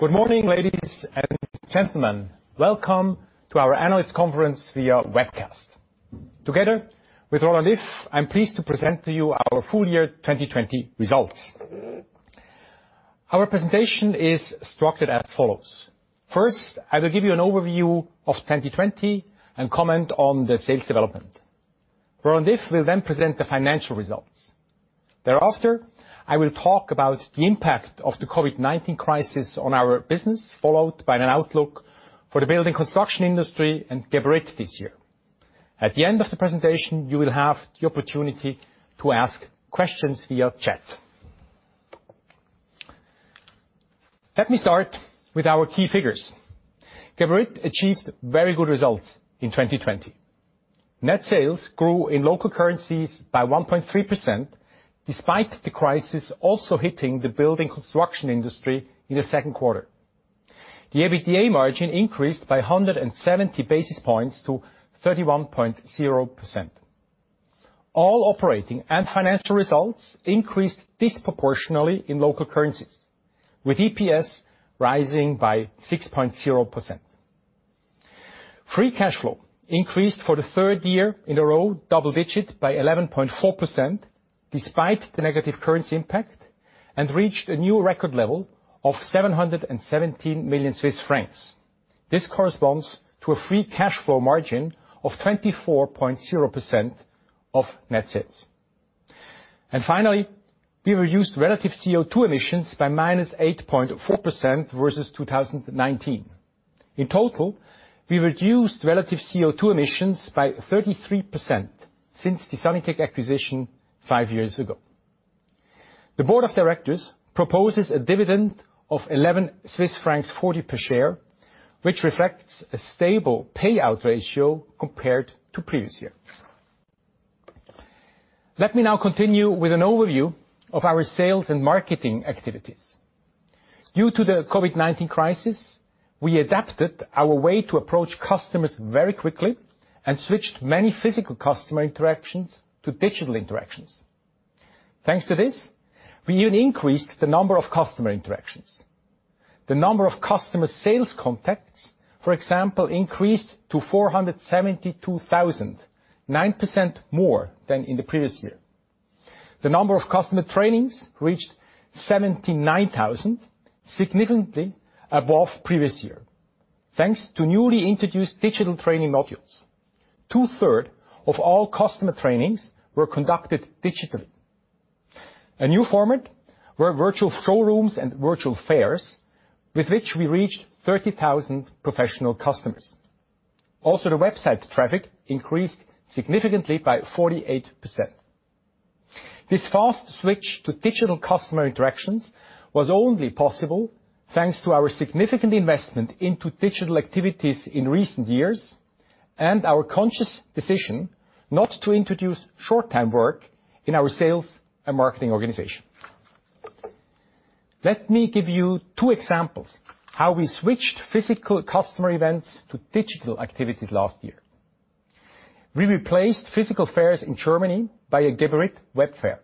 Good morning, ladies and gentlemen. Welcome to our analyst conference via webcast. Together with Roland Iff, I'm pleased to present to you our full-year 2020 results. Our presentation is structured as follows. First, I will give you an overview of 2020 and comment on the sales development. Roland Iff will present the financial results. I will talk about the impact of the COVID-19 crisis on our business, followed by an outlook for the building construction industry and Geberit this year. At the end of the presentation, you will have the opportunity to ask questions via chat. Let me start with our key figures. Geberit achieved very good results in 2020. Net sales grew in local currencies by 1.3%, despite the crisis also hitting the building construction industry in the second quarter. The EBITDA margin increased by 170 basis points to 31.0%. All operating and financial results increased disproportionately in local currencies, with EPS rising by 6.0%. Free cash flow increased for the third year in a row, double-digit by 11.4%, despite the negative currency impact, and reached a new record level of 717 million Swiss francs. This corresponds to a free cash flow margin of 24.0% of net sales. Finally, we reduced relative CO2 emissions by -8.4% versus 2019. In total, we reduced relative CO2 emissions by 33% since the Sanitec acquisition five years ago. The board of directors proposes a dividend of 11.40 Swiss francs per share, which reflects a stable payout ratio compared to previous years. Let me now continue with an overview of our sales and marketing activities. Due to the COVID-19 crisis, we adapted our way to approach customers very quickly and switched many physical customer interactions to digital interactions. Thanks to this, we even increased the number of customer interactions. The number of customer sales contacts, for example, increased to 472,000, 9% more than in the previous year. The number of customer trainings reached 79,000, significantly above previous year, thanks to newly introduced digital training modules. Two-third of all customer trainings were conducted digitally. A new format were virtual showrooms and virtual fairs, with which we reached 30,000 professional customers. Also, the website traffic increased significantly by 48%. This fast switch to digital customer interactions was only possible thanks to our significant investment into digital activities in recent years and our conscious decision not to introduce short-time work in our sales and marketing organization. Let me give you two examples how we switched physical customer events to digital activities last year. We replaced physical fairs in Germany by a Geberit web fair.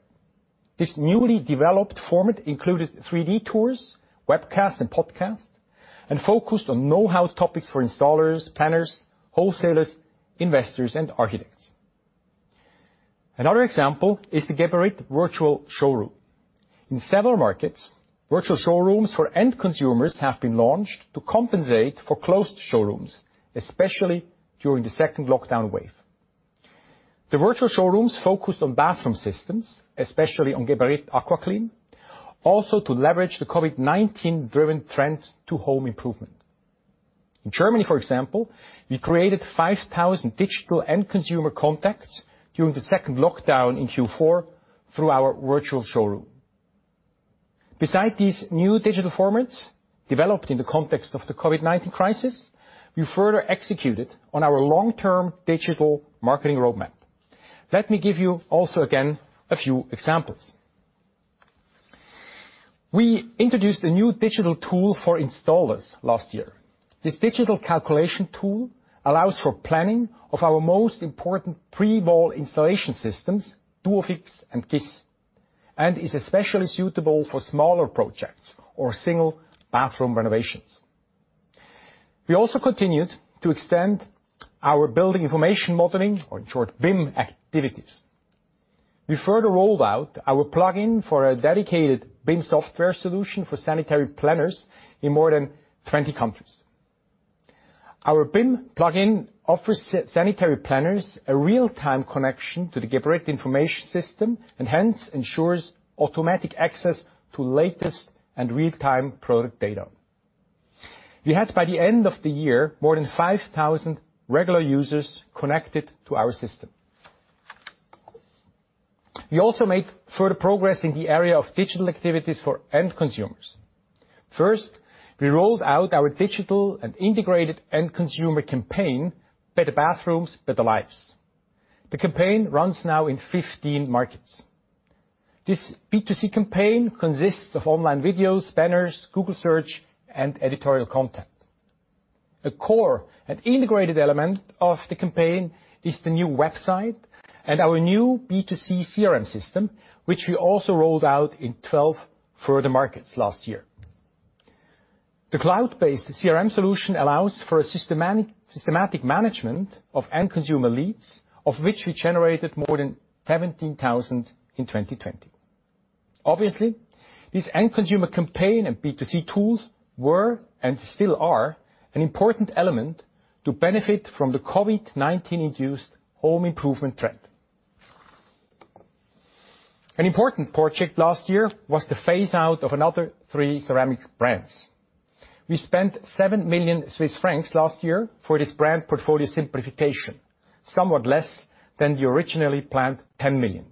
This newly developed format included 3D tours, webcasts, and podcasts, and focused on know-how topics for installers, planners, wholesalers, investors, and architects. Another example is the Geberit virtual showroom. In several markets, virtual showrooms for end consumers have been launched to compensate for closed showrooms, especially during the second lockdown wave. The virtual showrooms focused on Bathroom Systems, especially on Geberit AquaClean, also to leverage the COVID-19-driven trend to home improvement. In Germany, for example, we created 5,000 digital end consumer contacts during the second lockdown in Q4 through our virtual showroom. Beside these new digital formats developed in the context of the COVID-19 crisis, we further executed on our long-term digital marketing roadmap. Let me give you also, again, a few examples. We introduced a new digital tool for installers last year. This digital calculation tool allows for planning of our most important pre-wall installation systems, Duofix and GIS, and is especially suitable for smaller projects or single bathroom renovations. We also continued to extend our building information modeling, or in short, BIM activities. We further rolled out our plugin for a dedicated BIM software solution for sanitary planners in more than 20 countries. Our BIM plugin offers sanitary planners a real-time connection to the Geberit information system and hence ensures automatic access to latest and real-time product data. We had, by the end of the year, more than 5,000 regular users connected to our system. We also made further progress in the area of digital activities for end consumers. First, we rolled out our digital and integrated end consumer campaign, Better Bathrooms, Better Lives. The campaign runs now in 15 markets. This B2C campaign consists of online videos, banners, Google Search, and editorial content. A core and integrated element of the campaign is the new website and our new B2C CRM system, which we also rolled out in 12 further markets last year. The cloud-based CRM solution allows for a systematic management of end consumer leads, of which we generated more than 17,000 in 2020. Obviously, this end consumer campaign and B2C tools were and still are an important element to benefit from the COVID-19-induced home improvement trend. An important project last year was the phase-out of another three ceramics brands. We spent 7 million Swiss francs last year for this brand portfolio simplification, somewhat less than the originally planned 10 million.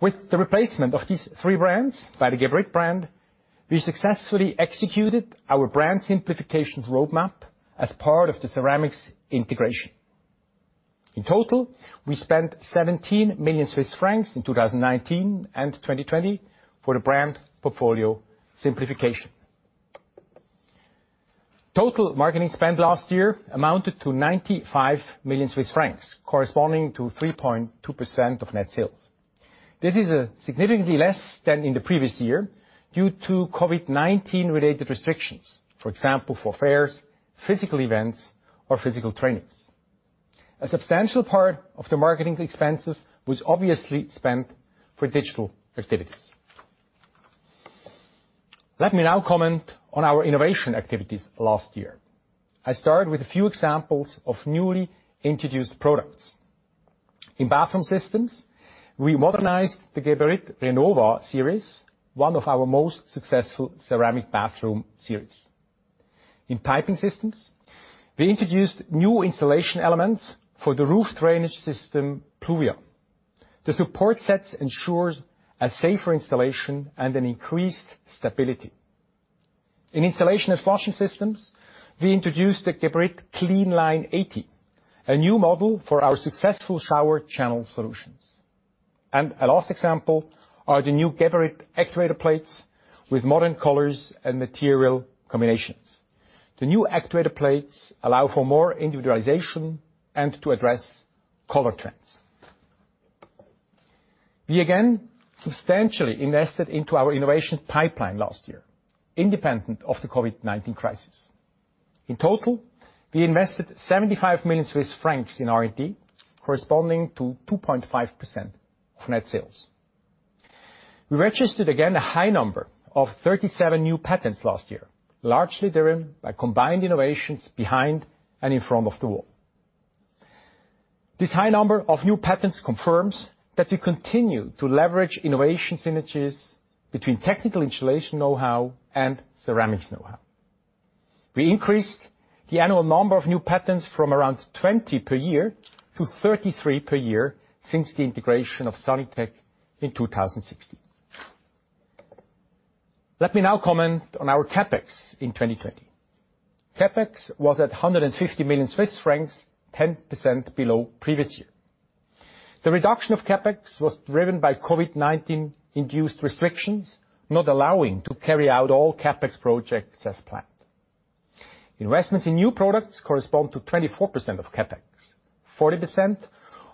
With the replacement of these three brands by the Geberit brand, we successfully executed our brand simplification roadmap as part of the ceramics integration. In total, we spent 17 million Swiss francs in 2019 and 2020 for the brand portfolio simplification. Total marketing spend last year amounted to 95 million Swiss francs, corresponding to 3.2% of net sales. This is significantly less than in the previous year due to COVID-19-related restrictions. For example, for fairs, physical events, or physical trainings. A substantial part of the marketing expenses was obviously spent for digital activities. Let me now comment on our innovation activities last year. I start with a few examples of newly introduced products. In Bathroom Systems, we modernized the Geberit Renova series, one of our most successful ceramic bathroom series. In Piping Systems, we introduced new installation elements for the roof drainage system, Pluvia. The support sets ensure a safer installation and an increased stability. In Installation and Flushing Systems, we introduced the Geberit CleanLine80, a new model for our successful shower channel solutions. A last example are the new Geberit actuator plates with modern colors and material combinations. The new actuator plates allow for more individualization and to address color trends. We again substantially invested into our innovation pipeline last year, independent of the COVID-19 crisis. In total, we invested 75 million Swiss francs in R&D, corresponding to 2.5% of net sales. We registered again a high number of 37 new patents last year, largely driven by combined innovations behind and in front of the wall. This high number of new patents confirms that we continue to leverage innovation synergies between technical installation knowhow and ceramics knowhow. We increased the annual number of new patents from around 20 per year to 33 per year since the integration of Sanitec in 2016. Let me now comment on our CapEx in 2020. CapEx was at 150 million Swiss francs, 10% below previous year. The reduction of CapEx was driven by COVID-19-induced restrictions, not allowing to carry out all CapEx projects as planned. Investments in new products correspond to 24% of CapEx. 40%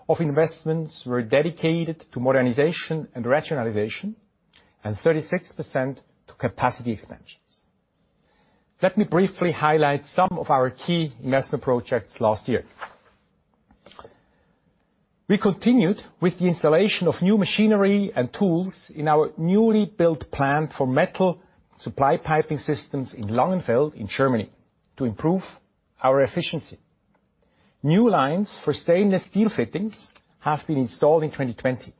of investments were dedicated to modernization and rationalization, and 36% to capacity expansions. Let me briefly highlight some of our key investment projects last year. We continued with the installation of new machinery and tools in our newly built plant for metal supply piping systems in Langenfeld in Germany to improve our efficiency. New lines for stainless steel fittings have been installed in 2020.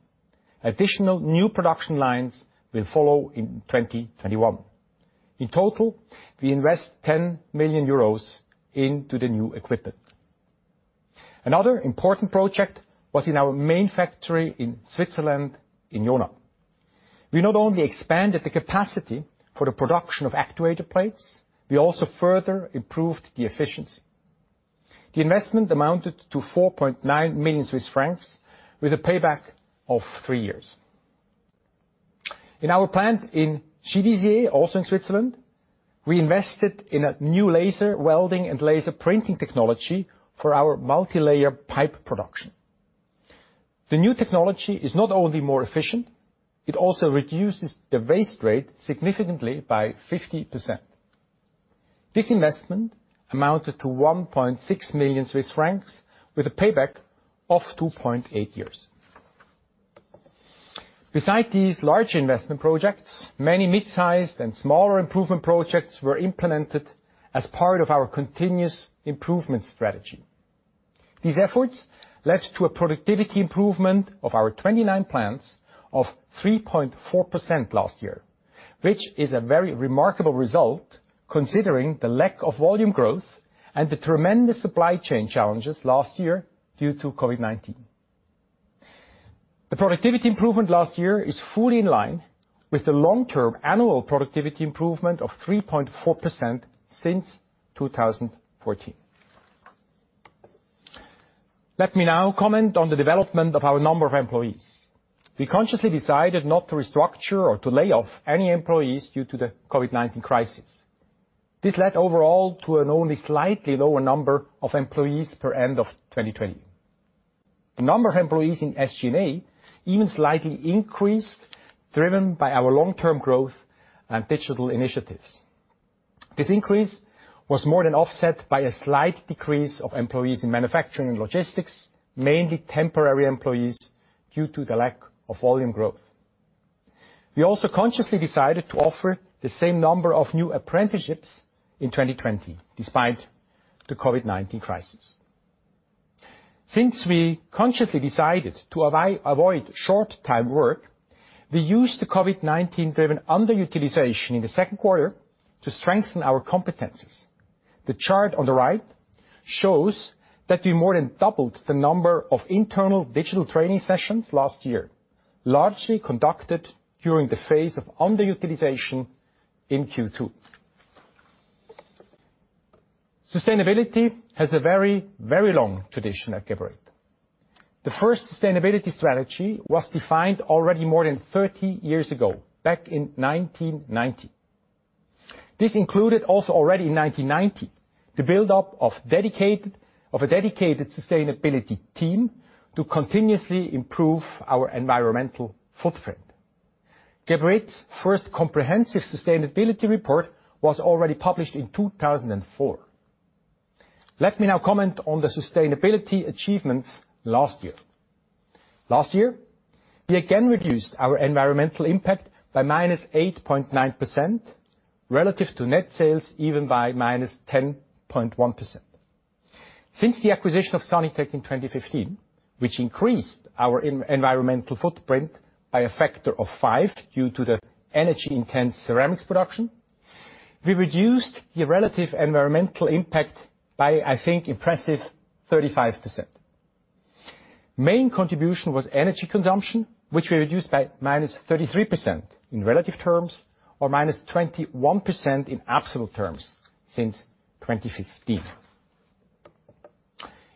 Additional new production lines will follow in 2021. In total, we invest 10 million euros into the new equipment. Another important project was in our main factory in Switzerland, in Jona. We not only expanded the capacity for the production of actuator plates, we also further improved the efficiency. The investment amounted to 4.9 million Swiss francs with a payback of three years. In our plant in Givisiez, also in Switzerland, we invested in a new laser welding and laser printing technology for our multilayer pipe production. The new technology is not only more efficient, it also reduces the waste rate significantly by 50%. This investment amounted to 1.6 million Swiss francs with a payback of 2.8 years. Beside these large investment projects, many mid-sized and smaller improvement projects were implemented as part of our continuous improvement strategy. These efforts led to a productivity improvement of our 29 plants of 3.4% last year, which is a very remarkable result considering the lack of volume growth and the tremendous supply chain challenges last year due to COVID-19. The productivity improvement last year is fully in line with the long-term annual productivity improvement of 3.4% since 2014. Let me now comment on the development of our number of employees. We consciously decided not to restructure or to lay off any employees due to the COVID-19 crisis. This led overall to an only slightly lower number of employees per end of 2020. The number of employees in SG&A even slightly increased, driven by our long-term growth and digital initiatives. This increase was more than offset by a slight decrease of employees in manufacturing and logistics, mainly temporary employees, due to the lack of volume growth. We also consciously decided to offer the same number of new apprenticeships in 2020, despite the COVID-19 crisis. Since we consciously decided to avoid short-time work, we used the COVID-19 driven underutilization in the second quarter to strengthen our competencies. The chart on the right shows that we more than doubled the number of internal digital training sessions last year, largely conducted during the phase of underutilization in Q2. Sustainability has a very long tradition at Geberit. The first sustainability strategy was defined already more than 30 years ago, back in 1990. This included also already in 1990, the buildup of a dedicated sustainability team to continuously improve our environmental footprint. Geberit's first comprehensive sustainability report was already published in 2004. Let me now comment on the sustainability achievements last year. Last year, we again reduced our environmental impact by -8.9%, relative to net sales, even by -10.1%. Since the acquisition of Sanitec in 2015, which increased our environmental footprint by a factor of five due to the energy-intense ceramics production, we reduced the relative environmental impact by, I think, impressive 35%. Main contribution was energy consumption, which we reduced by -33% in relative terms or -21% in absolute terms since 2015.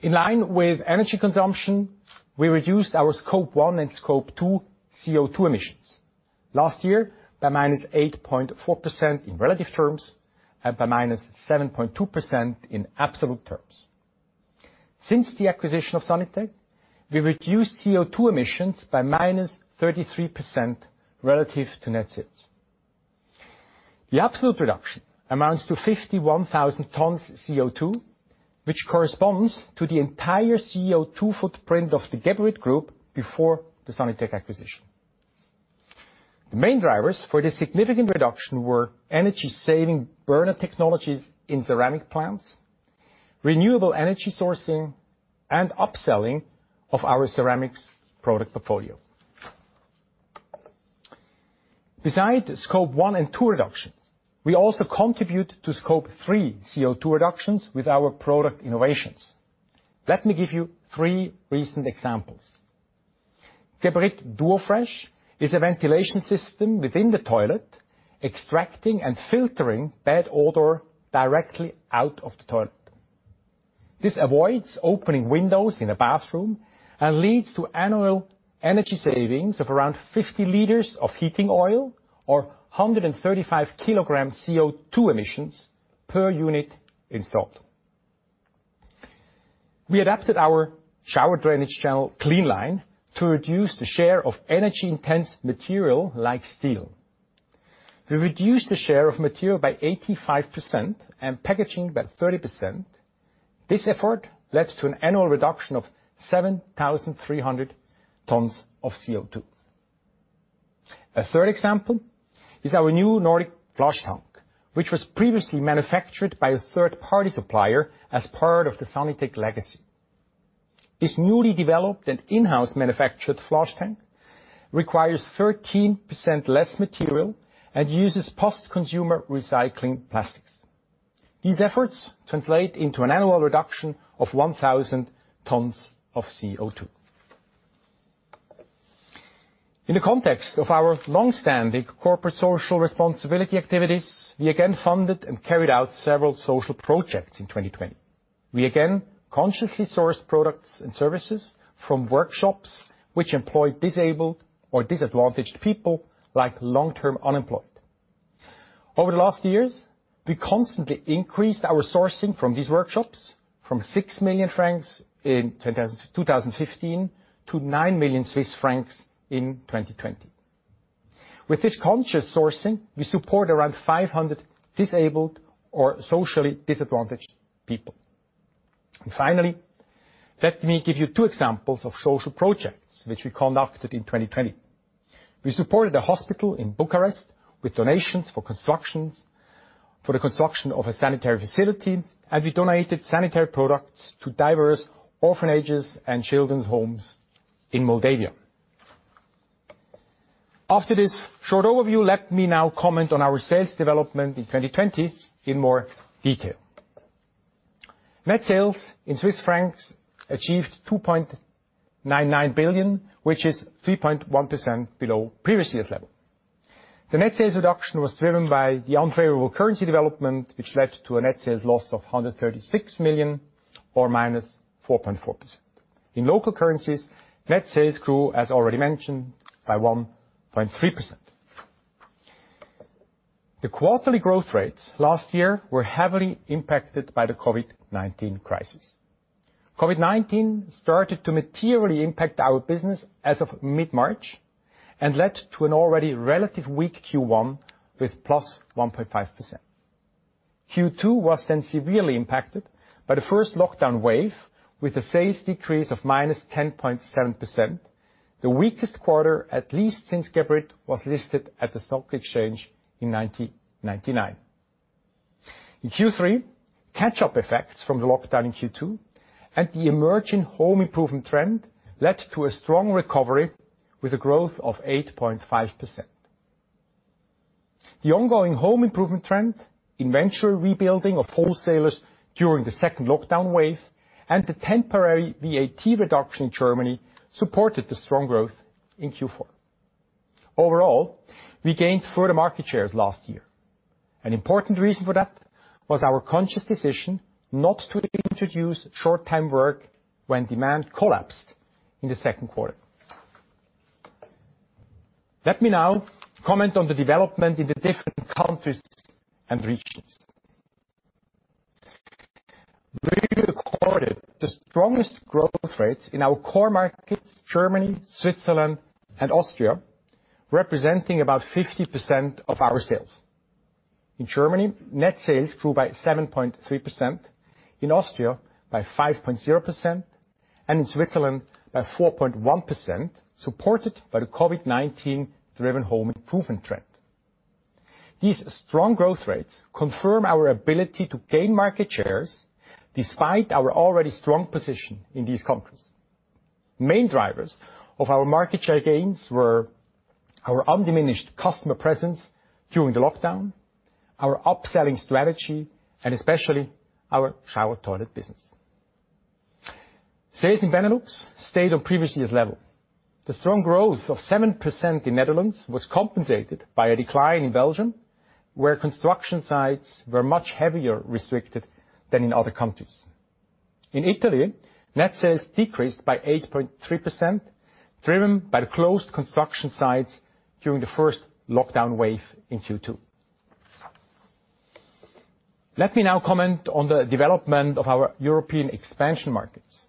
In line with energy consumption, we reduced our Scope 1 and Scope 2 CO2 emissions last year by -8.4% in relative terms and by -7.2% in absolute terms. Since the acquisition of Sanitec, we reduced CO2 emissions by -33% relative to net sales. The absolute reduction amounts to 51,000 tons of CO2, which corresponds to the entire CO2 footprint of the Geberit Group before the Sanitec acquisition. The main drivers for this significant reduction were energy-saving burner technologies in ceramic plants, renewable energy sourcing, and upselling of our ceramics product portfolio. Beside Scope 1 and Scope 2 reductions, we also contribute to Scope 3 CO2 reductions with our product innovations. Let me give you three recent examples. Geberit DuoFresh is a ventilation system within the toilet, extracting and filtering bad odor directly out of the toilet. This avoids opening windows in a bathroom and leads to annual energy savings of around 50 liters of heating oil or 135 KG CO2 emissions per unit installed. We adapted our shower drainage channel, CleanLine, to reduce the share of energy-intense material like steel. We reduced the share of material by 85% and packaging by 30%. This effort led to an annual reduction of 7,300 tons of CO2. A third example is our new Nordic flush tank, which was previously manufactured by a third-party supplier as part of the Sanitec legacy. This newly developed and in-house manufactured flush tank requires 13% less material and uses post-consumer recycling plastics. These efforts translate into an annual reduction of 1,000 tons of CO2. In the context of our longstanding corporate social responsibility activities, we again funded and carried out several social projects in 2020. We again consciously sourced products and services from workshops which employ disabled or disadvantaged people, like long-term unemployed. Over the last years, we constantly increased our sourcing from these workshops from 6 million francs in 2015 to 9 million Swiss francs in 2020. With this conscious sourcing, we support around 500 disabled or socially disadvantaged people. Finally, let me give you two examples of social projects which we conducted in 2020. We supported a hospital in Bucharest with donations for the construction of a sanitary facility, and we donated sanitary products to diverse orphanages and children's homes in Moldova. After this short overview, let me now comment on our sales development in 2020 in more detail. Net sales in CHF achieved 2.99 billion, which is 3.1% below previous year's level. The net sales reduction was driven by the unfavorable currency development, which led to a net sales loss of 136 million, or -4.4%. In local currencies, net sales grew, as already mentioned, by 1.3%. The quarterly growth rates last year were heavily impacted by the COVID-19 crisis. COVID-19 started to materially impact our business as of mid-March and led to an already relative weak Q1 with +1.5%. Q2 was severely impacted by the first lockdown wave, with a sales decrease of -10.7%, the weakest quarter, at least since Geberit was listed at the stock exchange in 1999. In Q3, catch-up effects from the lockdown in Q2 and the emerging home improvement trend led to a strong recovery with a growth of 8.5%. The ongoing home improvement trend, inventory rebuilding of wholesalers during the second lockdown wave, and the temporary VAT reduction in Germany supported the strong growth in Q4. Overall, we gained further market shares last year. An important reason for that was our conscious decision not to introduce short-time work when demand collapsed in the second quarter. Let me now comment on the development in the different countries and regions. We recorded the strongest growth rates in our core markets, Germany, Switzerland, and Austria, representing about 50% of our sales. In Germany, net sales grew by 7.3%, in Austria by 5.0%, and in Switzerland by 4.1%, supported by the COVID-19-driven home improvement trend. These strong growth rates confirm our ability to gain market shares despite our already strong position in these countries. Main drivers of our market share gains were our undiminished customer presence during the lockdown, our upselling strategy, and especially our shower toilet business. Sales in Benelux stayed on previous year's level. The strong growth of 7% in Netherlands was compensated by a decline in Belgium, where construction sites were much heavier restricted than in other countries. In Italy, net sales decreased by 8.3%, driven by the closed construction sites during the first lockdown wave in Q2. Let me now comment on the development of our European expansion markets.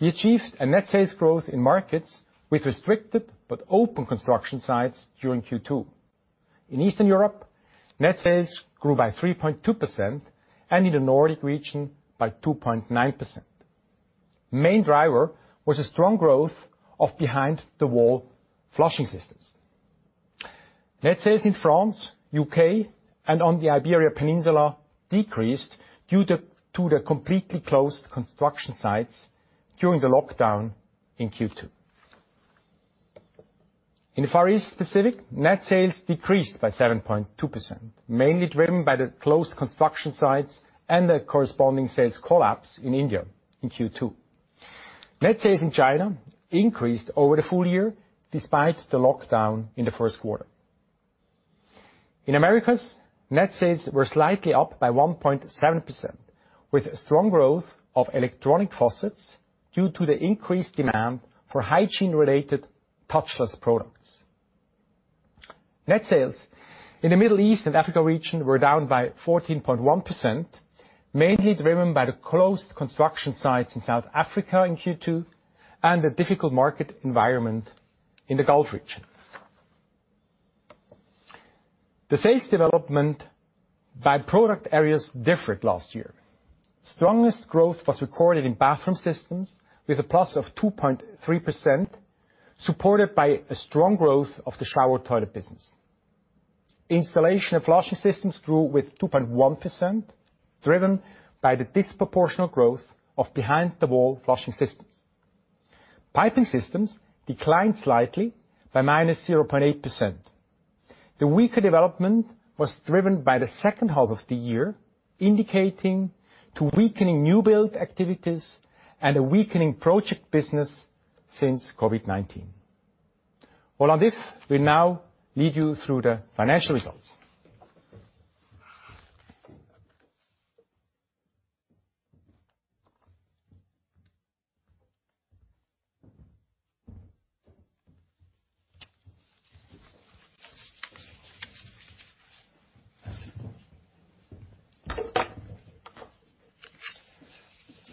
We achieved a net sales growth in markets with restricted but open construction sites during Q2. In Eastern Europe, net sales grew by 3.2%, and in the Nordic region by 2.9%. Main driver was a strong growth of behind-the-wall flushing systems. Net sales in France, U.K., and on the Iberia Peninsula decreased due to the completely closed construction sites during the lockdown in Q2. In the Far East Pacific, net sales decreased by 7.2%, mainly driven by the closed construction sites and the corresponding sales collapse in India in Q2. Net sales in China increased over the full year, despite the lockdown in the first quarter. In Americas, net sales were slightly up by 1.7%, with strong growth of electronic faucets due to the increased demand for hygiene-related touchless products. Net sales in the Middle East and Africa region were down by 14.1%, mainly driven by the closed construction sites in South Africa in Q2 and the difficult market environment in the Gulf region. The sales development by product areas differed last year. Strongest growth was recorded in Bathroom Systems with a plus of 2.3%, supported by a strong growth of the shower toilet business. Installation and Flushing Systems grew with 2.1%, driven by the disproportional growth of behind-the-wall flushing systems. Piping Systems declined slightly, by minus 0.8%. The weaker development was driven by the second half of the year, indicating to weakening new build activities and a weakening project business since COVID-19. Roland Iff will now lead you through the financial results.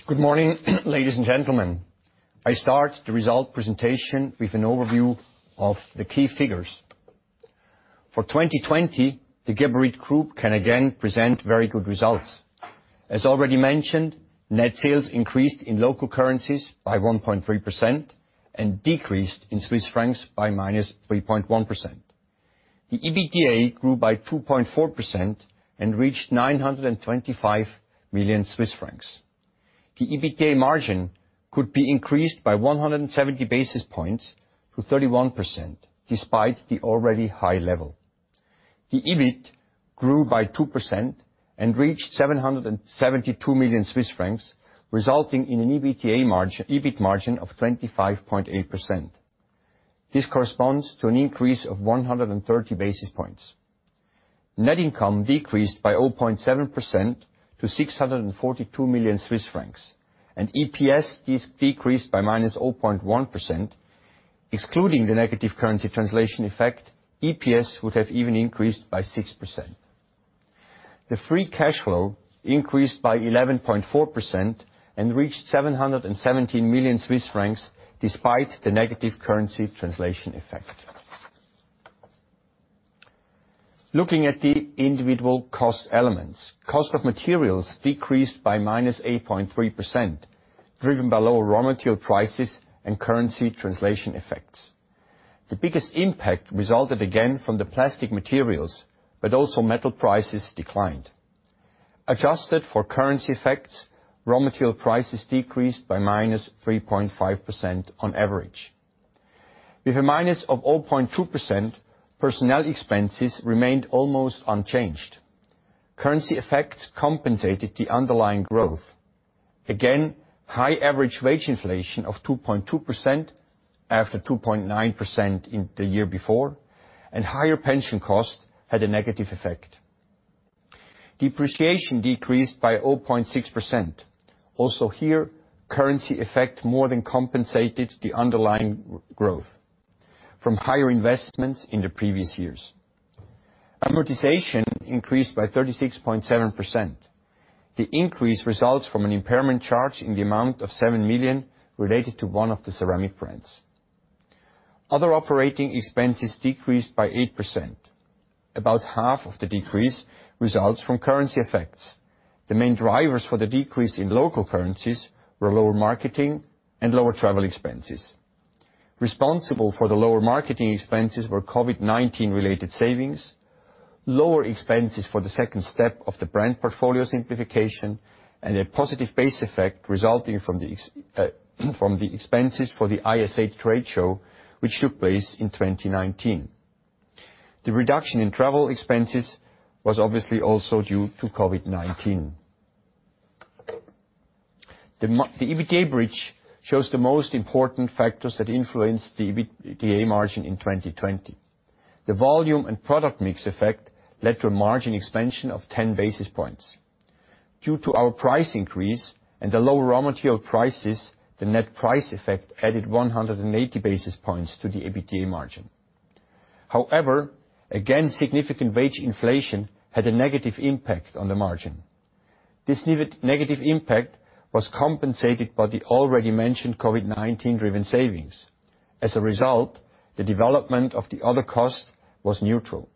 Good morning, ladies and gentlemen. I start the result presentation with an overview of the key figures. For 2020, the Geberit Group can again present very good results. As already mentioned, net sales increased in local currencies by 1.3% and decreased in CHF by -3.1%. The EBITDA grew by 2.4% and reached 925 million Swiss francs. The EBITDA margin could be increased by 170 basis points to 31%, despite the already high level. The EBIT grew by 2% and reached 772 million Swiss francs, resulting in an EBIT margin of 25.8%. This corresponds to an increase of 130 basis points. Net income decreased by 0.7% to 642 million Swiss francs, and EPS decreased by -0.1%, excluding the negative currency translation effect, EPS would have even increased by 6%. The free cash flow increased by 11.4% and reached 717 million Swiss francs despite the negative currency translation effect. Looking at the individual cost elements, cost of materials decreased by -8.3%, driven by lower raw material prices and currency translation effects. The biggest impact resulted again from the plastic materials, metal prices also declined. Adjusted for currency effects, raw material prices decreased by -3.5% on average. With a -0.2%, personnel expenses remained almost unchanged. Currency effects compensated the underlying growth. Again, high average wage inflation of 2.2%, after 2.9% in the year before, and higher pension costs had a negative effect. Depreciation decreased by 0.6%. Here, currency effect more than compensated the underlying growth from higher investments in the previous years. Amortization increased by 36.7%. The increase results from an impairment charge in the amount of 7 million related to one of the ceramic brands. Other operating expenses decreased by 8%. About half of the decrease results from currency effects. The main drivers for the decrease in local currencies were lower marketing and lower travel expenses. Responsible for the lower marketing expenses were COVID-19 related savings, lower expenses for the second step of the brand portfolio simplification, and a positive base effect resulting from the expenses for the ISH trade show, which took place in 2019. The reduction in travel expenses was obviously also due to COVID-19. The EBITDA bridge shows the most important factors that influenced the EBITDA margin in 2020. The volume and product mix effect led to a margin expansion of 10 basis points. Due to our price increase and the lower raw material prices, the net price effect added 180 basis points to the EBITDA margin. However, again, significant wage inflation had a negative impact on the margin. This negative impact was compensated by the already mentioned COVID-19 driven savings. As a result, the development of the other costs was neutral.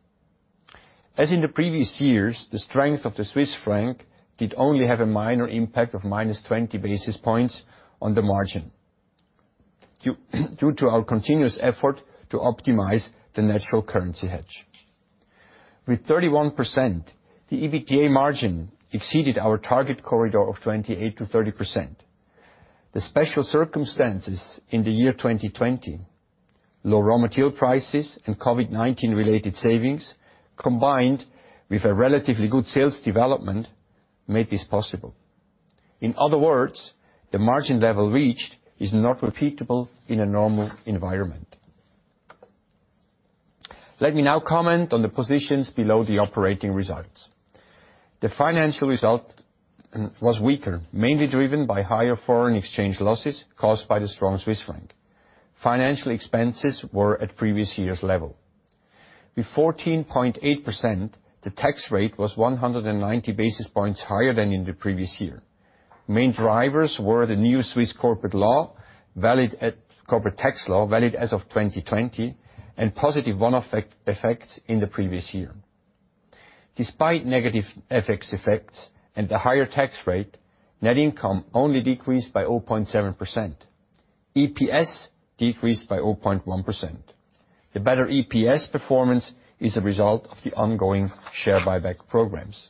As in the previous years, the strength of the Swiss franc did only have a minor impact of minus 20 basis points on the margin, due to our continuous effort to optimize the natural currency hedge. With 31%, the EBITDA margin exceeded our target corridor of 28%-30%. The special circumstances in the year 2020, low raw material prices and COVID-19 related savings, combined with a relatively good sales development, made this possible. In other words, the margin level reached is not repeatable in a normal environment. Let me now comment on the positions below the operating results. The financial result was weaker, mainly driven by higher foreign exchange losses caused by the strong Swiss franc. Financial expenses were at previous year's level. With 14.8%, the tax rate was 190 basis points higher than in the previous year. Main drivers were the new Swiss corporate tax law, valid as of 2020, and positive one-off effect in the previous year. Despite negative FX effects and the higher tax rate, net income only decreased by 0.7%. EPS decreased by 0.1%. The better EPS performance is a result of the ongoing share buyback programs.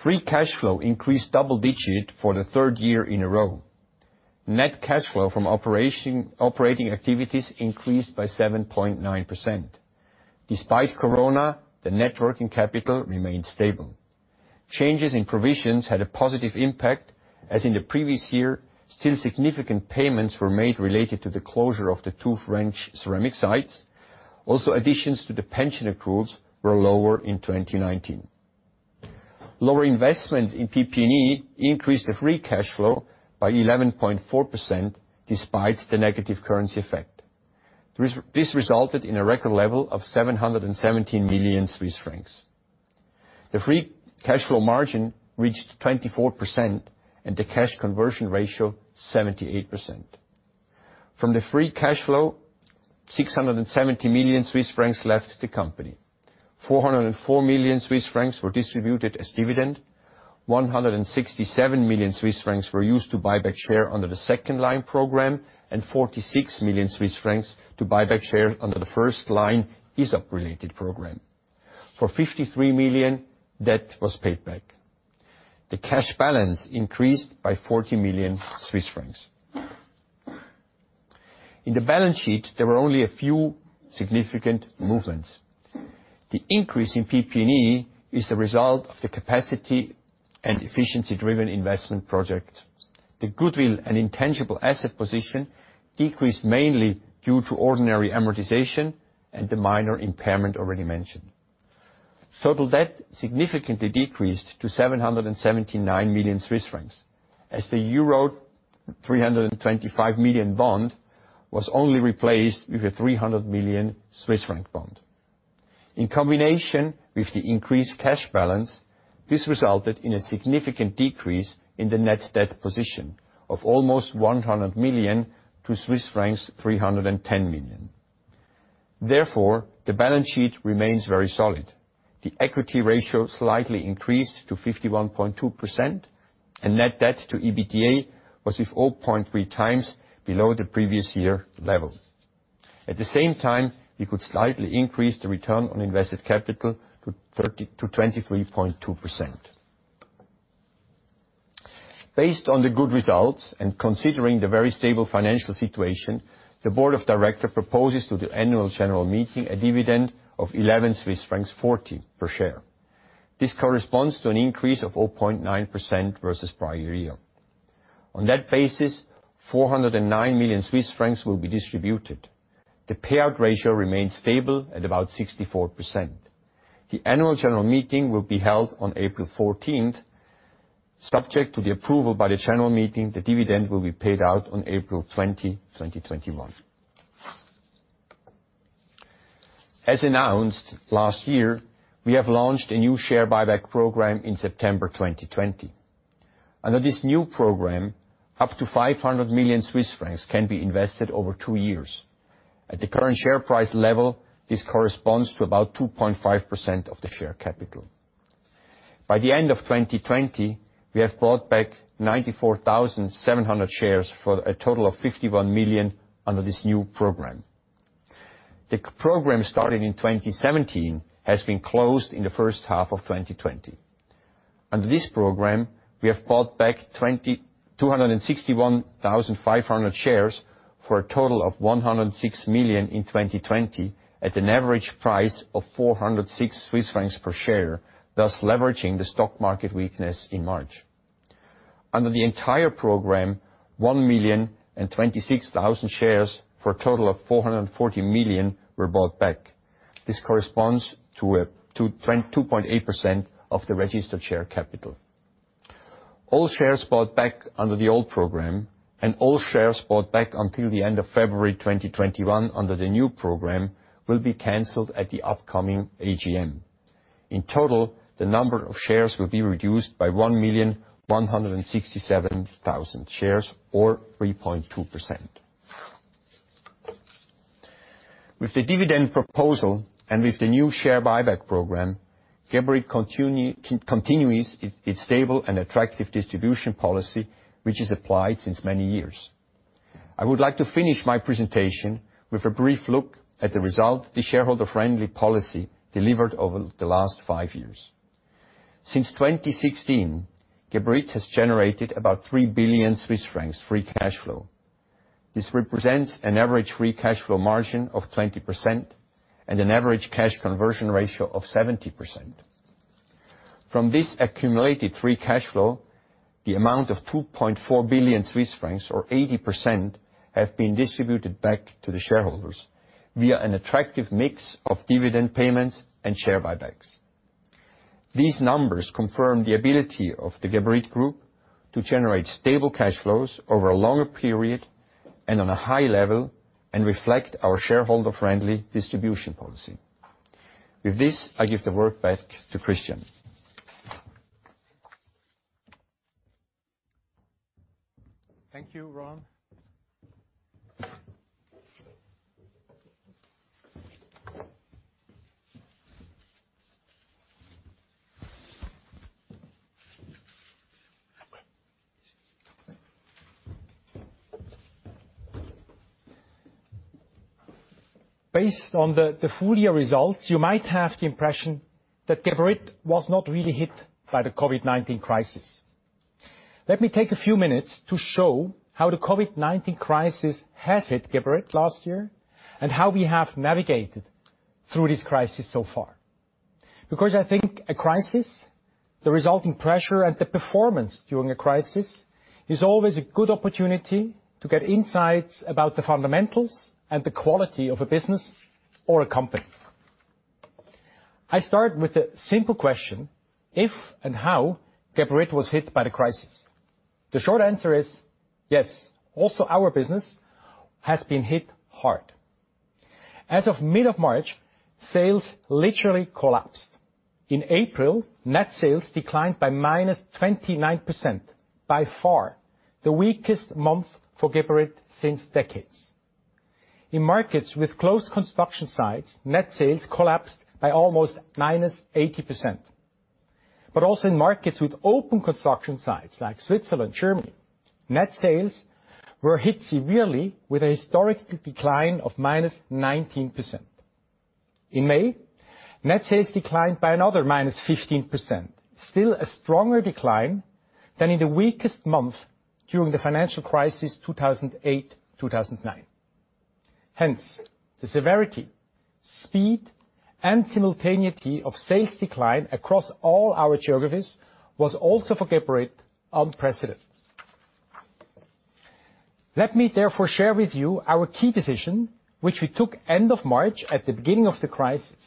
Free cash flow increased double digit for the third year in a row. Net cash flow from operating activities increased by 7.9%. Despite Corona, the net working capital remained stable. Changes in provisions had a positive impact, as in the previous year, still significant payments were made related to the closure of the two French ceramic sites. Additions to the pension accruals were lower in 2019. Lower investments in PP&E increased the free cash flow by 11.4% despite the negative currency effect. This resulted in a record level of 717 million Swiss francs. The free cash flow margin reached 24% and the cash conversion ratio 78%. From the free cash flow, 670 million Swiss francs left the company. 404 million Swiss francs were distributed as dividend. 167 million Swiss francs were used to buy back share under the second-line program, and 46 million Swiss francs to buy back shares under the first-line ESOP-related program. For 53 million, debt was paid back. The cash balance increased by 40 million Swiss francs. In the balance sheet, there were only a few significant movements. The increase in PP&E is the result of the capacity and efficiency-driven investment project. The goodwill and intangible asset position decreased mainly due to ordinary amortization and the minor impairment already mentioned. Total debt significantly decreased to 779 million Swiss francs, as the euro 325 million bond was only replaced with a 300 million Swiss franc bond. In combination with the increased cash balance, this resulted in a significant decrease in the net debt position of almost 100 million to Swiss francs 310 million. Therefore, the balance sheet remains very solid. The equity ratio slightly increased to 51.2%, and net debt to EBITDA was with 0.3X below the previous year level. At the same time, we could slightly increase the return on invested capital to 23.2%. Based on the good results and considering the very stable financial situation, the Board of Directors proposes to the annual general meeting a dividend of 11.40 Swiss francs per share. This corresponds to an increase of 0.9% versus prior year. On that basis, 409 million Swiss francs will be distributed. The payout ratio remains stable at about 64%. The annual general meeting will be held on April 14th. Subject to the approval by the General Meeting, the dividend will be paid out on April 20, 2021. As announced last year, we have launched a new share buyback program in September 2020. Under this new program, up to 500 million Swiss francs can be invested over two years. At the current share price level, this corresponds to about 2.5% of the share capital. By the end of 2020, we have bought back 94,700 shares for a total of 51 million under this new program. The program started in 2017, has been closed in the first half of 2020. Under this program, we have bought back 261,500 shares for a total of 106 million in 2020 at an average price of 406 Swiss francs per share, thus leveraging the stock market weakness in March. Under the entire program, 1,026,000 shares for a total of 440 million were bought back. This corresponds to 2.8% of the registered share capital. All shares bought back under the old program and all shares bought back until the end of February 2021 under the new program will be canceled at the upcoming AGM. In total, the number of shares will be reduced by 1,167,000 shares or 3.2%. With the dividend proposal and with the new share buyback program, Geberit continues its stable and attractive distribution policy, which is applied since many years. I would like to finish my presentation with a brief look at the result the shareholder-friendly policy delivered over the last five years. Since 2016, Geberit has generated about 3 billion Swiss francs free cash flow. This represents an average free cash flow margin of 20% and an average cash conversion ratio of 70%. From this accumulated free cash flow, the amount of 2.4 billion Swiss francs or 80% have been distributed back to the shareholders via an attractive mix of dividend payments and share buybacks. These numbers confirm the ability of the Geberit Group to generate stable cash flows over a longer period and on a high level and reflect our shareholder-friendly distribution policy. With this, I give the word back to Christian. Thank you, Roland. Based on the full-year results, you might have the impression that Geberit was not really hit by the COVID-19 crisis. Let me take a few minutes to show how the COVID-19 crisis has hit Geberit last year and how we have navigated through this crisis so far. I think a crisis, the resulting pressure and the performance during a crisis is always a good opportunity to get insights about the fundamentals and the quality of a business or a company. I start with a simple question, if and how Geberit was hit by the crisis? The short answer is, yes, also our business has been hit hard. As of mid of March, sales literally collapsed. In April, net sales declined by -29%, by far the weakest month for Geberit since decades. In markets with closed construction sites, net sales collapsed by almost -80%. Also in markets with open construction sites like Switzerland, Germany, net sales were hit severely with a historic decline of -19%. In May, net sales declined by another -15%, still a stronger decline than in the weakest month during the financial crisis 2008, 2009. Hence, the severity, speed, and simultaneity of sales decline across all our geographies was also, for Geberit, unprecedented. Let me therefore share with you our key decision, which we took end of March at the beginning of the crisis.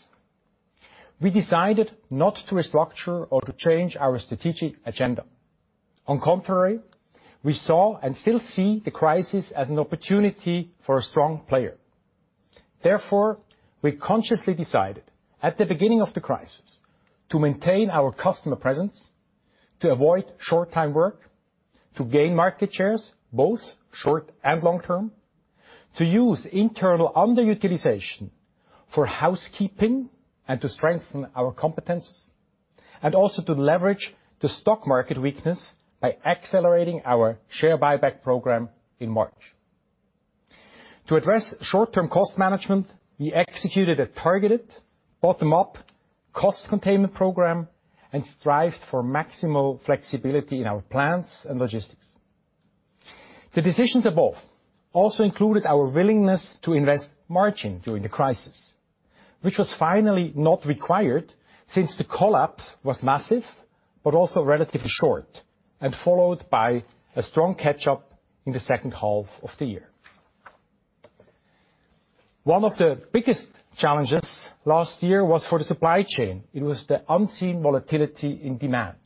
We decided not to restructure or to change our strategic agenda. On contrary, we saw and still see the crisis as an opportunity for a strong player. Therefore, we consciously decided at the beginning of the crisis to maintain our customer presence, to avoid short time work, to gain market shares, both short and long-term, to use internal underutilization for housekeeping and to strengthen our competence, and also to leverage the stock market weakness by accelerating our share buyback program in March. To address short-term cost management, we executed a targeted bottom-up cost containment program and strived for maximal flexibility in our plants and logistics. The decisions above also included our willingness to invest margin during the crisis, which was finally not required since the collapse was massive but also relatively short, and followed by a strong catch-up in the second half of the year. One of the biggest challenges last year was for the supply chain. It was the unseen volatility in demand.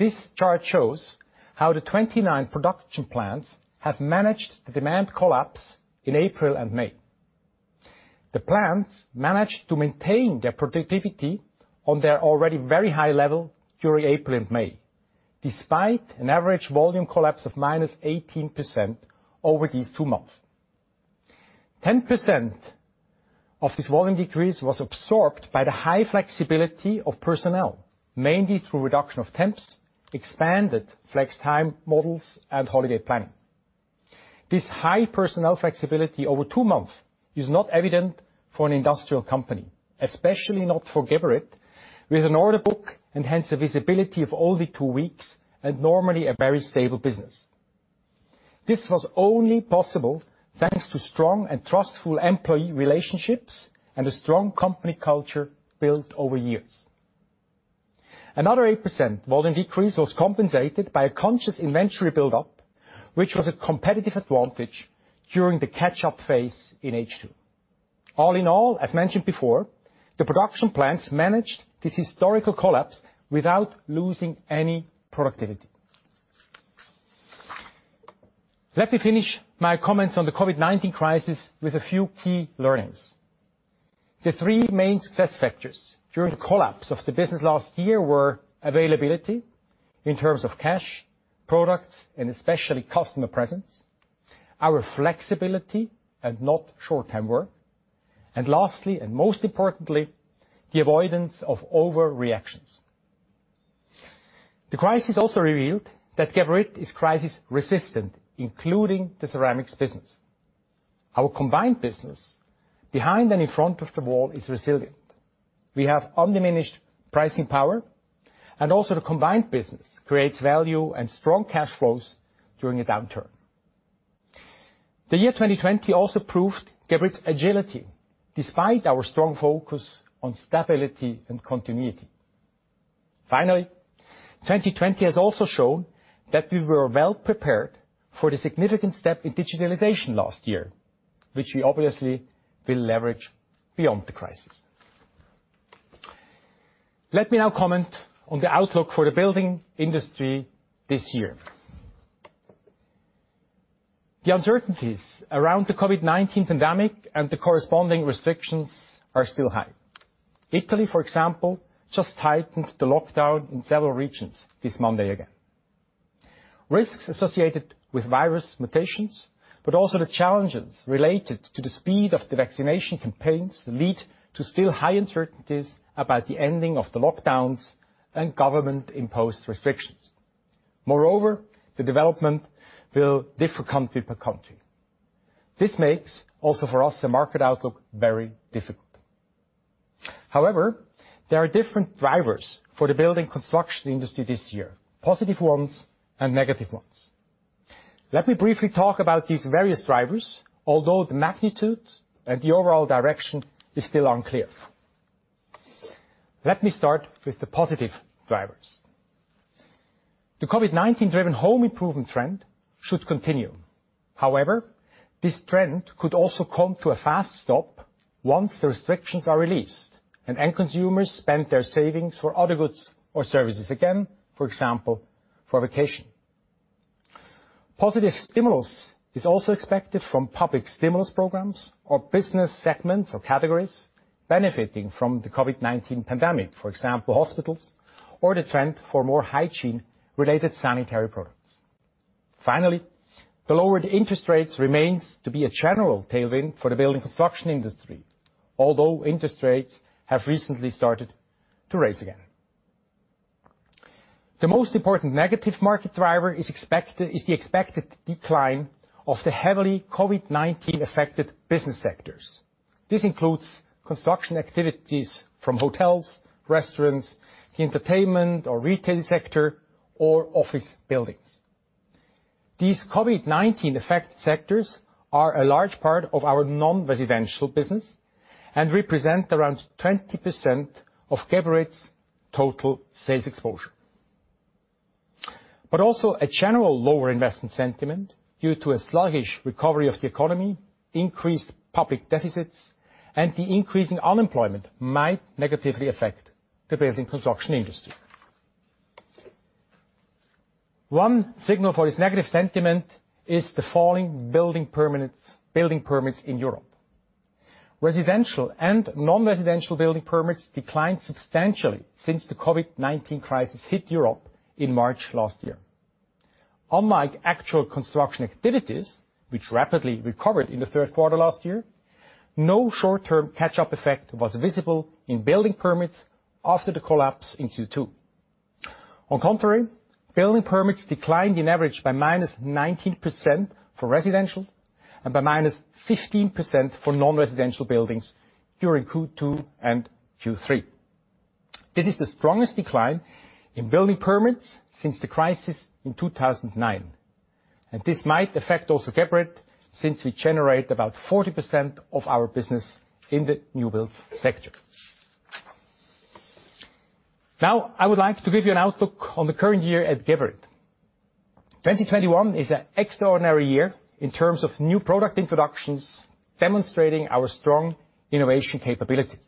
This chart shows how the 29 production plants have managed the demand collapse in April and May. The plants managed to maintain their productivity on their already very high level during April and May, despite an average volume collapse of -18% over these two months. 10% of this volume decrease was absorbed by the high flexibility of personnel, mainly through reduction of temps, expanded flex time models, and holiday planning. This high personnel flexibility over two months is not evident for an industrial company, especially not for Geberit, with an order book, and hence a visibility of only two weeks and normally a very stable business. This was only possible thanks to strong and trustful employee relationships and a strong company culture built over years. Another 8% volume decrease was compensated by a conscious inventory buildup, which was a competitive advantage during the catch-up phase in H2. All in all, as mentioned before, the production plants managed this historical collapse without losing any productivity. Let me finish my comments on the COVID-19 crisis with a few key learnings. The three main success factors during the collapse of the business last year were availability in terms of cash, products, and especially customer presence, our flexibility and not short-time work, and lastly and most importantly, the avoidance of overreactions. The crisis also revealed that Geberit is crisis-resistant, including the ceramics business. Our combined business behind and in front of the wall is resilient. We have undiminished pricing power, and also the combined business creates value and strong cash flows during a downturn. The year 2020 also proved Geberit's agility, despite our strong focus on stability and continuity. 2020 has also shown that we were well prepared for the significant step in digitalization last year, which we obviously will leverage beyond the crisis. Let me now comment on the outlook for the building industry this year. The uncertainties around the COVID-19 pandemic and the corresponding restrictions are still high. Italy, for example, just tightened the lockdown in several regions this Monday again. Risks associated with virus mutations, but also the challenges related to the speed of the vaccination campaigns lead to still high uncertainties about the ending of the lockdowns and government-imposed restrictions. Moreover, the development will differ country per country. This makes also for us the market outlook very difficult. However, there are different drivers for the building construction industry this year, positive ones and negative ones. Let me briefly talk about these various drivers, although the magnitude and the overall direction is still unclear. Let me start with the positive drivers. The COVID-19-driven home improvement trend should continue. This trend could also come to a fast stop once the restrictions are released and end consumers spend their savings for other goods or services again, for example, for a vacation. Positive stimulus is also expected from public stimulus programs or business segments or categories benefiting from the COVID-19 pandemic, for example, hospitals or the trend for more hygiene-related sanitary products. The lowered interest rates remains to be a general tailwind for the building construction industry, although interest rates have recently started to rise again. The most important negative market driver is the expected decline of the heavily COVID-19 affected business sectors. This includes construction activities from hotels, restaurants, entertainment or retail sector, or office buildings. These COVID-19 affected sectors are a large part of our non-residential business and represent around 20% of Geberit's total sales exposure. Also a general lower investment sentiment due to a sluggish recovery of the economy, increased public deficits, and the increasing unemployment might negatively affect the building construction industry. One signal for this negative sentiment is the falling building permits in Europe. Residential and non-residential building permits declined substantially since the COVID-19 crisis hit Europe in March last year. Unlike actual construction activities, which rapidly recovered in the third quarter last year, no short-term catch-up effect was visible in building permits after the collapse in Q2. On the contrary, building permits declined on average by -19% for residential and by -15% for non-residential buildings during Q2 and Q3. This is the strongest decline in building permits since the crisis in 2009. This might affect also Geberit since we generate about 40% of our business in the new build sector. Now, I would like to give you an outlook on the current year at Geberit. 2021 is an extraordinary year in terms of new product introductions, demonstrating our strong innovation capabilities.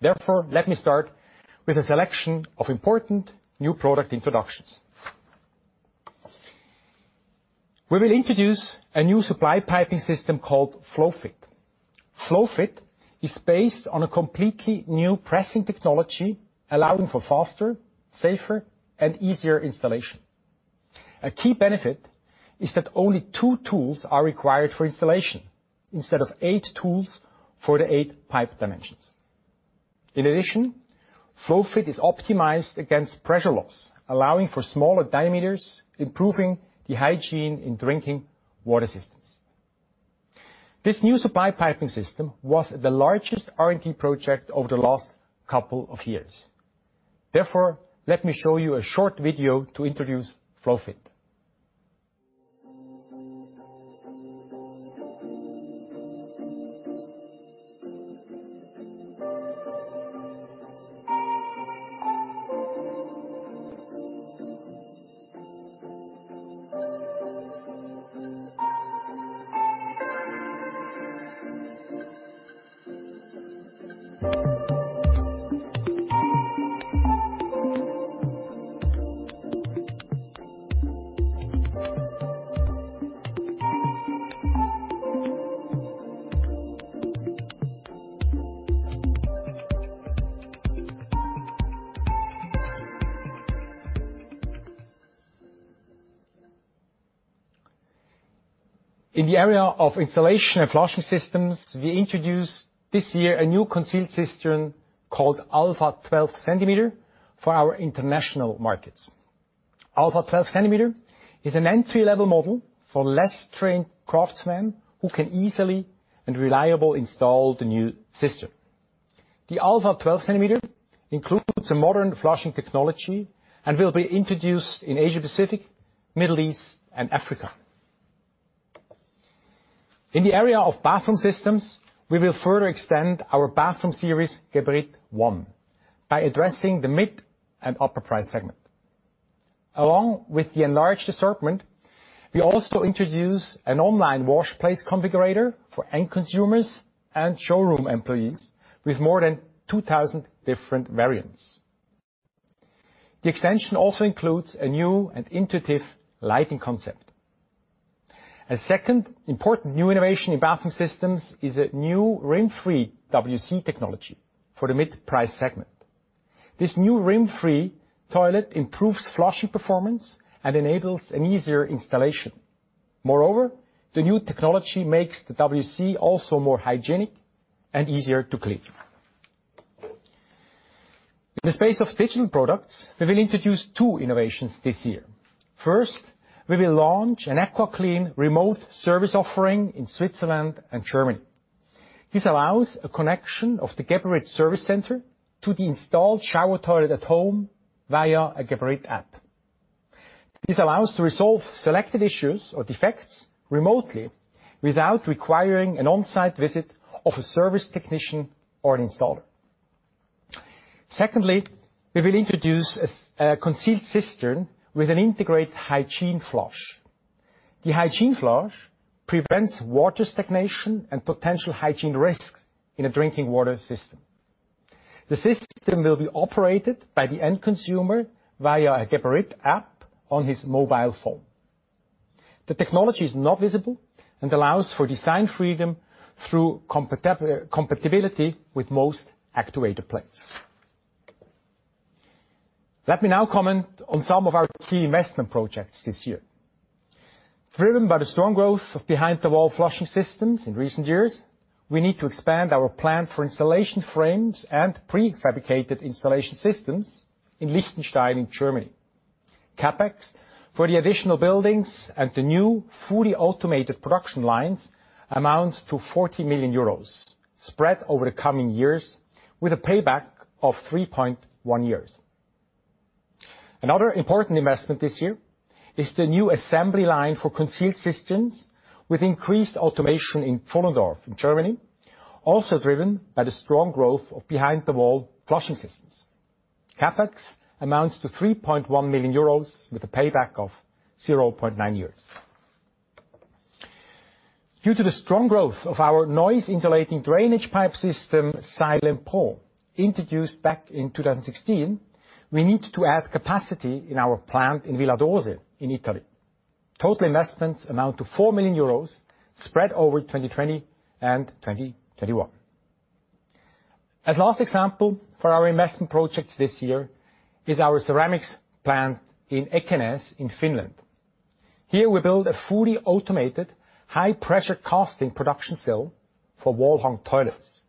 Therefore, let me start with a selection of important new product introductions. We will introduce a new supply piping system called FlowFit. FlowFit is based on a completely new pressing technology, allowing for faster, safer, and easier installation. A key benefit is that only two tools are required for installation instead of eight tools for the eight pipe dimensions. In addition, FlowFit is optimized against pressure loss, allowing for smaller diameters, improving the hygiene in drinking water systems. This new supply piping system was the largest R&D project over the last couple of years. Therefore, let me show you a short video to introduce FlowFit. In the area of Installation and Flushing Systems, we introduce this year a new concealed cistern called Alpha 12 centimeter for our international markets. Alpha 12 centimeter is an entry-level model for less trained craftsmen who can easily and reliably install the new cistern. The Alpha 12 centimeter includes a modern flushing technology and will be introduced in Asia Pacific, Middle East, and Africa. In the area of Bathroom Systems, we will further extend our bathroom series Geberit ONE by addressing the mid and upper price segment. Along with the enlarged assortment, we also introduce an online wash place configurator for end consumers and showroom employees with more than 2,000 different variants. The extension also includes a new and intuitive lighting concept. A second important new innovation in Bathroom Systems is a new Rimfree WC technology for the mid-price segment. This new Rimfree toilet improves flushing performance and enables an easier installation. Moreover, the new technology makes the WC also more hygienic and easier to clean. In the space of digital products, we will introduce two innovations this year. First, we will launch an AquaClean remote service offering in Switzerland and Germany. This allows a connection of the Geberit service center to the installed shower toilet at home via a Geberit app. This allows to resolve selected issues or defects remotely without requiring an on-site visit of a service technician or an installer. Secondly, we will introduce a concealed cistern with an integrated hygiene flush. The hygiene flush prevents water stagnation and potential hygiene risks in a drinking water system. The system will be operated by the end consumer via a Geberit app on his mobile phone. The technology is not visible and allows for design freedom through compatibility with most actuator plates. Let me now comment on some of our key investment projects this year. Driven by the strong growth of behind-the-wall flushing systems in recent years, we need to expand our plant for installation frames and prefabricated installation systems in Lichtenstein in Germany. CapEx for the additional buildings and the new fully automated production lines amounts to 40 million euros, spread over the coming years, with a payback of 3.1 years. Another important investment this year is the new assembly line for concealed cisterns with increased automation in Pfullendorf in Germany, also driven by the strong growth of behind-the-wall flushing systems. CapEx amounts to 3.1 million euros with a payback of 0.9 years. Due to the strong growth of our noise-insulating drainage pipe system, Silent-Pro, introduced back in 2016, we need to add capacity in our plant in Villadose in Italy. Total investments amount to 4 million euros spread over 2020 and 2021. As last example for our investment projects this year is our ceramics plant in Ekenäs in Finland. Here we build a fully automated high-pressure casting production cell for wall-hung toilets.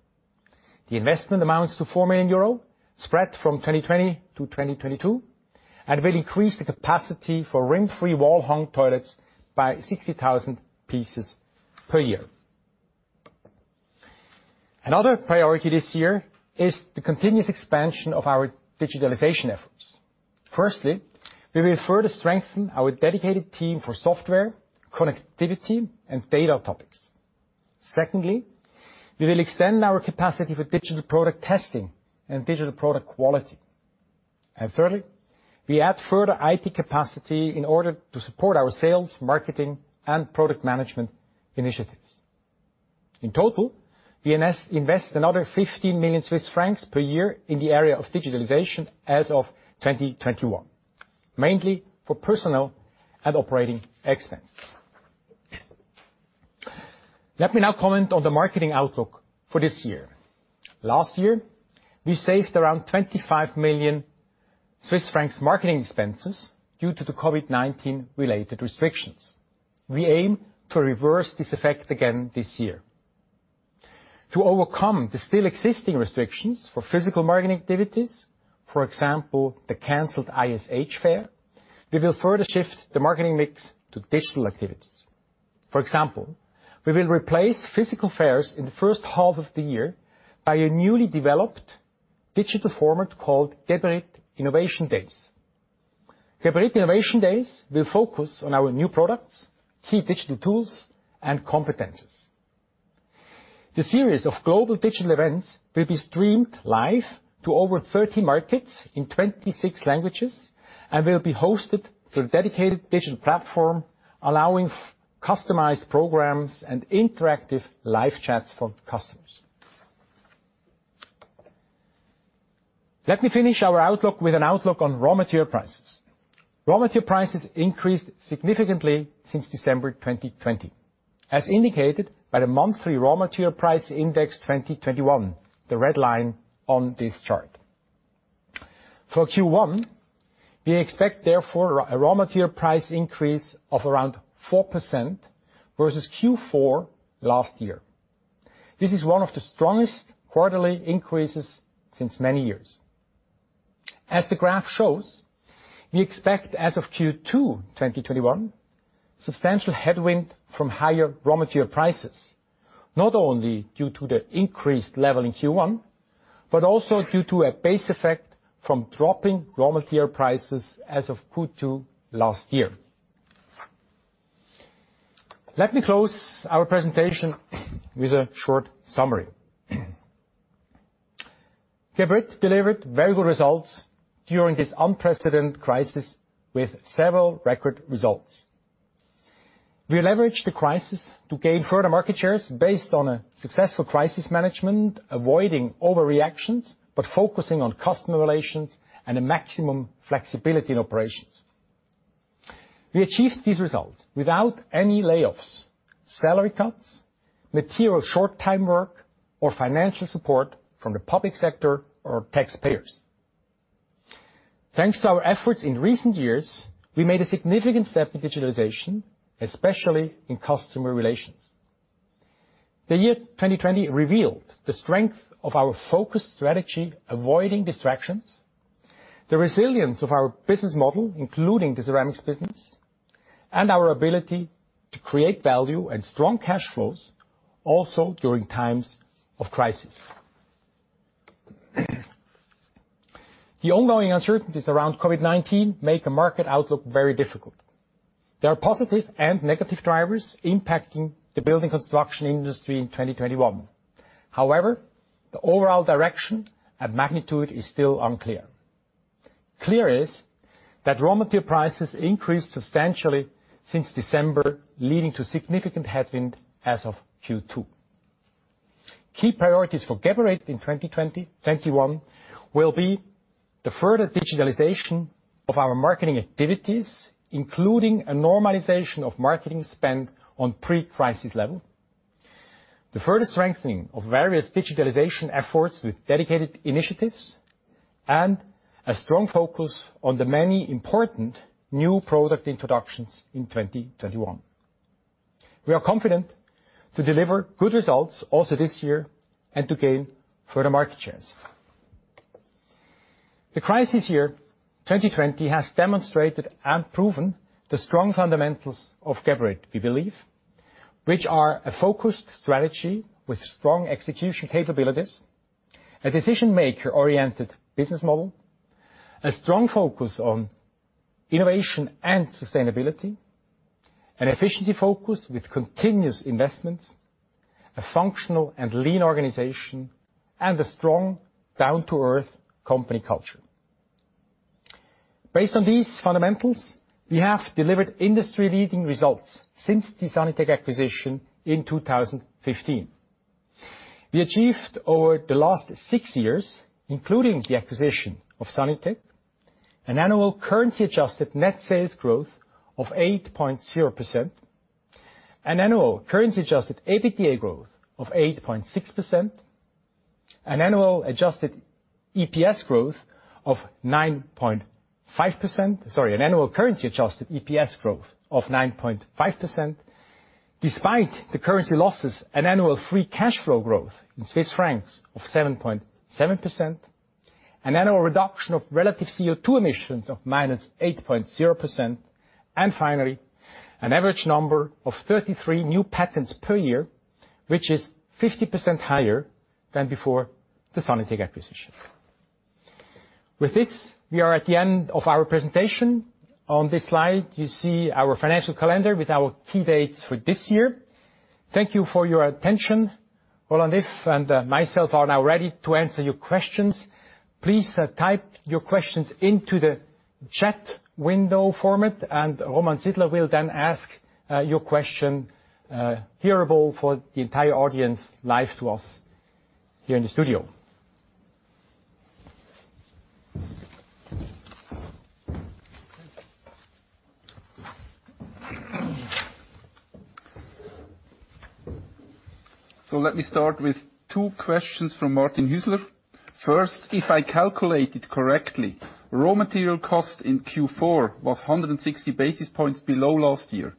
The investment amounts to 4 million euro, spread from 2020 to 2022, and will increase the capacity for Rimfree wall-hung toilets by 60,000 pieces per year. Another priority this year is the continuous expansion of our digitalization efforts. Firstly, we will further strengthen our dedicated team for software, connectivity, and data topics. Secondly, we will extend our capacity for digital product testing and digital product quality. Thirdly, we add further IT capacity in order to support our sales, marketing, and product management initiatives. In total, we invest another 50 million Swiss francs per year in the area of digitalization as of 2021, mainly for personnel and operating expense. Let me now comment on the marketing outlook for this year. Last year, we saved around 25 million Swiss francs marketing expenses due to the COVID-19-related restrictions. We aim to reverse this effect again this year. To overcome the still existing restrictions for physical marketing activities, for example, the canceled ISH fair, we will further shift the marketing mix to digital activities. For example, we will replace physical fairs in the first half of the year by a newly developed digital format called Geberit Innovation Days. Geberit Innovation Days will focus on our new products, key digital tools, and competencies. The series of global digital events will be streamed live to over 30 markets in 26 languages and will be hosted through a dedicated digital platform, allowing customized programs and interactive live chats for customers. Let me finish our outlook with an outlook on raw material prices. Raw material prices increased significantly since December 2020, as indicated by the monthly raw material price index 2021, the red line on this chart. For Q1, we expect, therefore, a raw material price increase of around 4% versus Q4 last year. This is one of the strongest quarterly increases since many years. As the graph shows, we expect as of Q2 2021, substantial headwind from higher raw material prices, not only due to the increased level in Q1, but also due to a base effect from dropping raw material prices as of Q2 last year. Let me close our presentation with a short summary. Geberit delivered very good results during this unprecedented crisis with several record results. We leveraged the crisis to gain further market shares based on a successful crisis management, avoiding overreactions, but focusing on customer relations and a maximum flexibility in operations. We achieved these results without any layoffs, salary cuts, material short-time work, or financial support from the public sector or taxpayers. Thanks to our efforts in recent years, we made a significant step in digitalization, especially in customer relations. The year 2020 revealed the strength of our focused strategy, avoiding distractions, the resilience of our business model, including the ceramics business, and our ability to create value and strong cash flows also during times of crisis. The ongoing uncertainties around COVID-19 make a market outlook very difficult. There are positive and negative drivers impacting the building construction industry in 2021. However, the overall direction and magnitude is still unclear. Clear is that raw material prices increased substantially since December, leading to significant headwind as of Q2. Key priorities for Geberit in 2021 will be the further digitalization of our marketing activities, including a normalization of marketing spend on pre-crisis level. The further strengthening of various digitalization efforts with dedicated initiatives, and a strong focus on the many important new product introductions in 2021. We are confident to deliver good results also this year, and to gain further market shares. The crisis year 2020 has demonstrated and proven the strong fundamentals of Geberit, we believe, which are a focused strategy with strong execution capabilities, a decision-maker-oriented business model, a strong focus on innovation and sustainability, an efficiency focus with continuous investments, a functional and lean organization, and a strong down-to-earth company culture. Based on these fundamentals, we have delivered industry-leading results since the Sanitec acquisition in 2015. We achieved over the last six years, including the acquisition of Sanitec, an annual currency-adjusted net sales growth of 8.0%, an annual currency-adjusted EBITDA growth of 8.6%, an annual currency-adjusted EPS growth of 9.5%. Despite the currency losses, an annual free cash flow growth in CHF of 7.7%, an annual reduction of relative CO2 emissions of minus 8.0%, and finally, an average number of 33 new patents per year, which is 50% higher than before the Sanitec acquisition. With this, we are at the end of our presentation. On this slide, you see our financial calendar with our key dates for this year. Thank you for your attention. Roland Iff and myself are now ready to answer your questions. Please type your questions into the chat window format, and Roman Sidler will then ask your question, hearable for the entire audience, live to us here in the studio. Let me start with two questions from Martin Hüsler. First, if I calculated correctly, raw material cost in Q4 was 160 basis points below last year.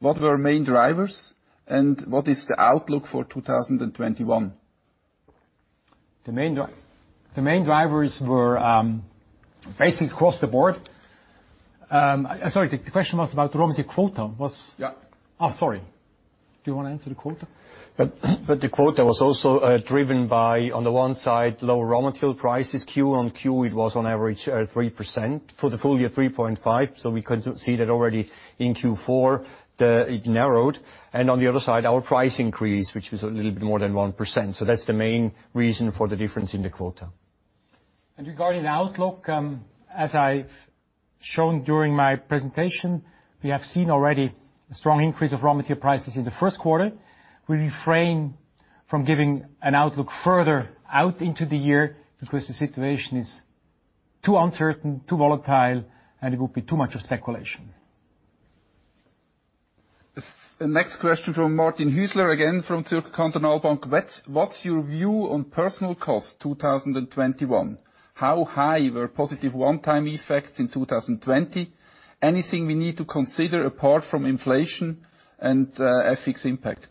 What were main drivers, and what is the outlook for 2021? The main drivers were basically across the board. I'm sorry, the question was about the raw material quota? Yeah. Oh, sorry. Do you want to answer the quota? The quota was also driven by, on the one side, lower raw material prices. Q on Q, it was on average 3%, for the full-year, 3.5%. We could see that already in Q4, it narrowed. On the other side, our price increase, which was a little bit more than 1%. That's the main reason for the difference in the quota. Regarding outlook, as I've shown during my presentation, we have seen already a strong increase of raw material prices in the first quarter. We refrain from giving an outlook further out into the year because the situation is too uncertain, too volatile, and it would be too much of speculation. The next question from Martin Hüsler again, from Zürcher Kantonalbank. What's your view on personnel cost 2021? How high were positive one-time effects in 2020? Anything we need to consider apart from inflation and FX impact?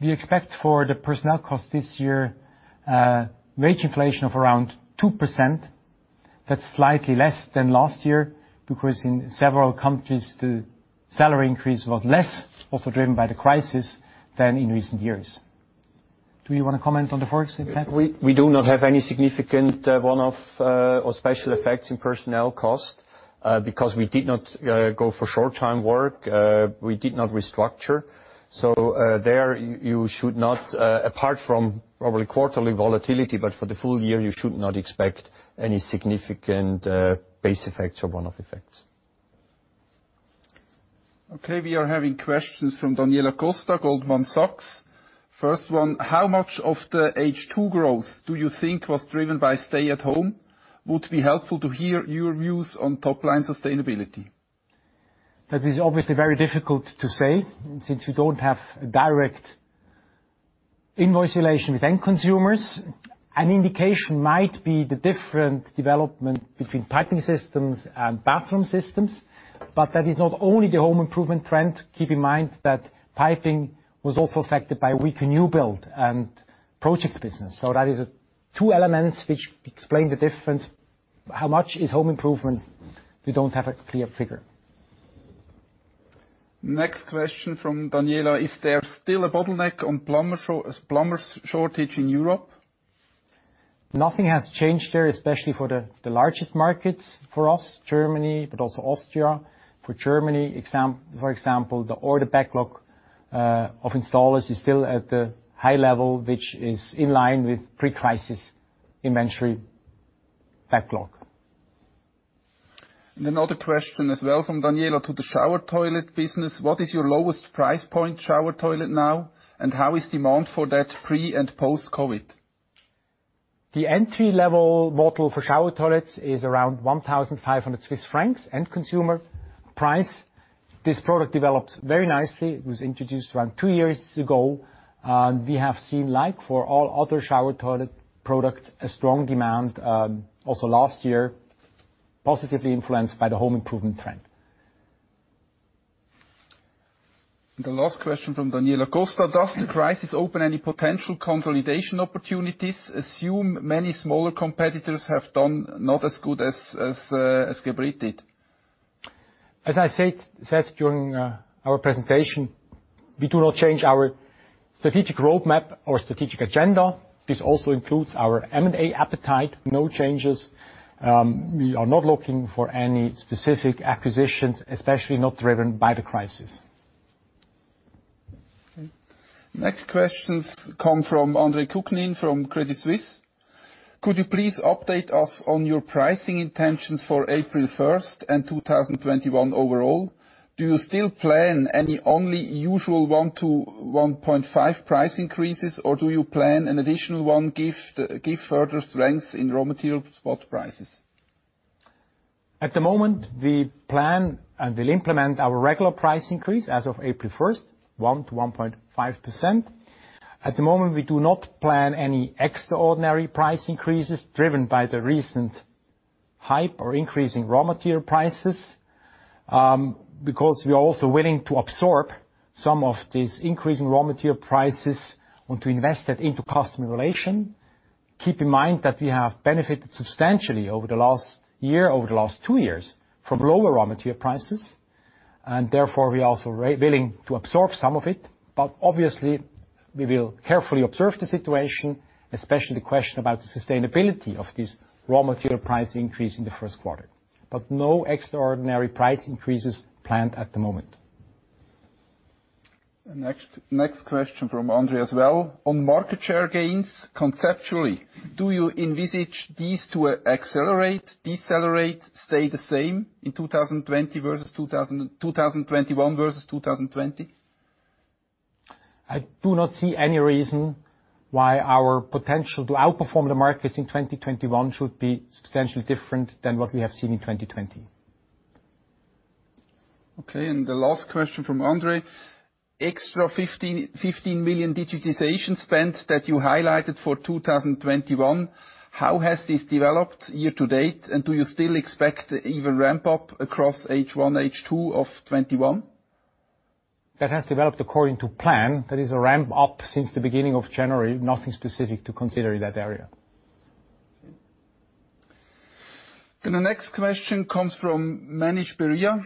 We expect for the personnel cost this year, wage inflation of around 2%. That is slightly less than last year because in several countries, the salary increase was less, also driven by the crisis, than in recent years. Do you want to comment on the Forex impact? We do not have any significant one-off or special effects in personnel cost, because we did not go for short-time work. We did not restructure. There, you should not, apart from probably quarterly volatility, but for the full-year, you should not expect any significant base effects or one-off effects. We are having questions from Daniela Costa, Goldman Sachs. First one, how much of the H2 growth do you think was driven by stay at home? Would be helpful to hear your views on top line sustainability. That is obviously very difficult to say, since we don't have a direct invoice relation with end consumers. An indication might be the different development between Piping Systems and Bathroom Systems, but that is not only the home improvement trend. Keep in mind that piping was also affected by weaker new build and project business. That is two elements which explain the difference. How much is home improvement? We don't have a clear figure. Next question from Daniela. Is there still a bottleneck on plumbers shortage in Europe? Nothing has changed there, especially for the largest markets for us, Germany, but also Austria. For Germany, for example, the order backlog of installers is still at the high level, which is in line with pre-crisis inventory backlog. Another question as well from Daniela to the shower toilet business. What is your lowest price point shower toilet now, and how is demand for that pre and post-COVID? The entry-level model for shower toilets is around 1,500 Swiss francs, end consumer price. This product developed very nicely. It was introduced around two years ago. We have seen, like for all other shower toilet products, a strong demand, also last year, positively influenced by the home improvement trend. The last question from Daniela Costa: Does the crisis open any potential consolidation opportunities? Assume many smaller competitors have done not as good as Geberit did. As I said during our presentation, we do not change our strategic roadmap or strategic agenda. This also includes our M&A appetite, no changes. We are not looking for any specific acquisitions, especially not driven by the crisis. Okay. Next questions come from Andre Kukhnin from Credit Suisse. Could you please update us on your pricing intentions for April 1st and 2021 overall? Do you still plan any only usual 1%-1.5% price increases, or do you plan an additional one, give further strengths in raw material spot prices? At the moment, we plan and will implement our regular price increase as of April 1st, 1%-1.5%. At the moment, we do not plan any extraordinary price increases driven by the recent hype or increase in raw material prices, because we are also willing to absorb some of these increasing raw material prices and to invest that into customer relation. Keep in mind that we have benefited substantially over the last year, over the last two years, from lower raw material prices. Therefore, we are also willing to absorb some of it. Obviously, we will carefully observe the situation, especially the question about the sustainability of this raw material price increase in the first quarter. No extraordinary price increases planned at the moment. Next question from Andre as well. On market share gains, conceptually, do you envisage these to accelerate, decelerate, stay the same in 2021 versus 2020? I do not see any reason why our potential to outperform the markets in 2021 should be substantially different than what we have seen in 2020. Okay, the last question from Andre. Extra 15 million digitization spend that you highlighted for 2021, how has this developed year-to-date, and do you still expect even ramp-up across H1, H2 of 2021? That has developed according to plan. That is a ramp-up since the beginning of January. Nothing specific to consider in that area. Okay. The next question comes from Manish Beria.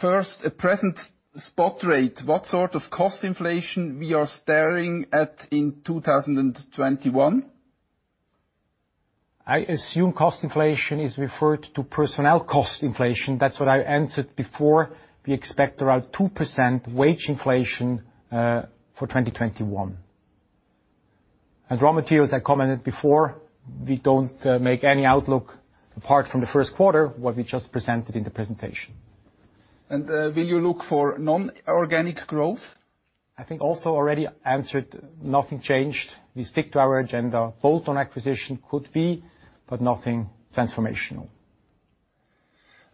First, at present spot rate, what sort of cost inflation we are staring at in 2021? I assume cost inflation is referred to personnel cost inflation. That's what I answered before. We expect around 2% wage inflation for 2021. Raw materials, I commented before, we don't make any outlook apart from the first quarter what we just presented in the presentation. Will you look for non-organic growth? I think also already answered. Nothing changed. We stick to our agenda. Bolt-on acquisition could be, but nothing transformational.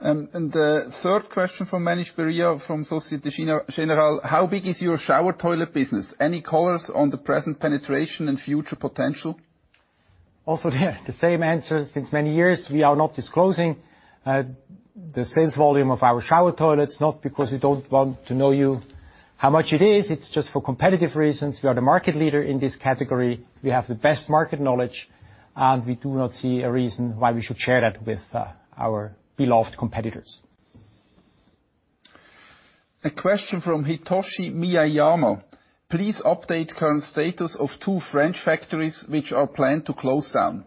Third question from Manish Beria from Societe Generale, how big is your shower toilet business? Any colors on the present penetration and future potential? The same answer since many years. We are not disclosing the sales volume of our shower toilets, not because we don't want to know you how much it is. It's just for competitive reasons. We are the market leader in this category. We have the best market knowledge, and we do not see a reason why we should share that with our beloved competitors. A question from Hitoshi Miyayamo. Please update current status of two French factories which are planned to close down.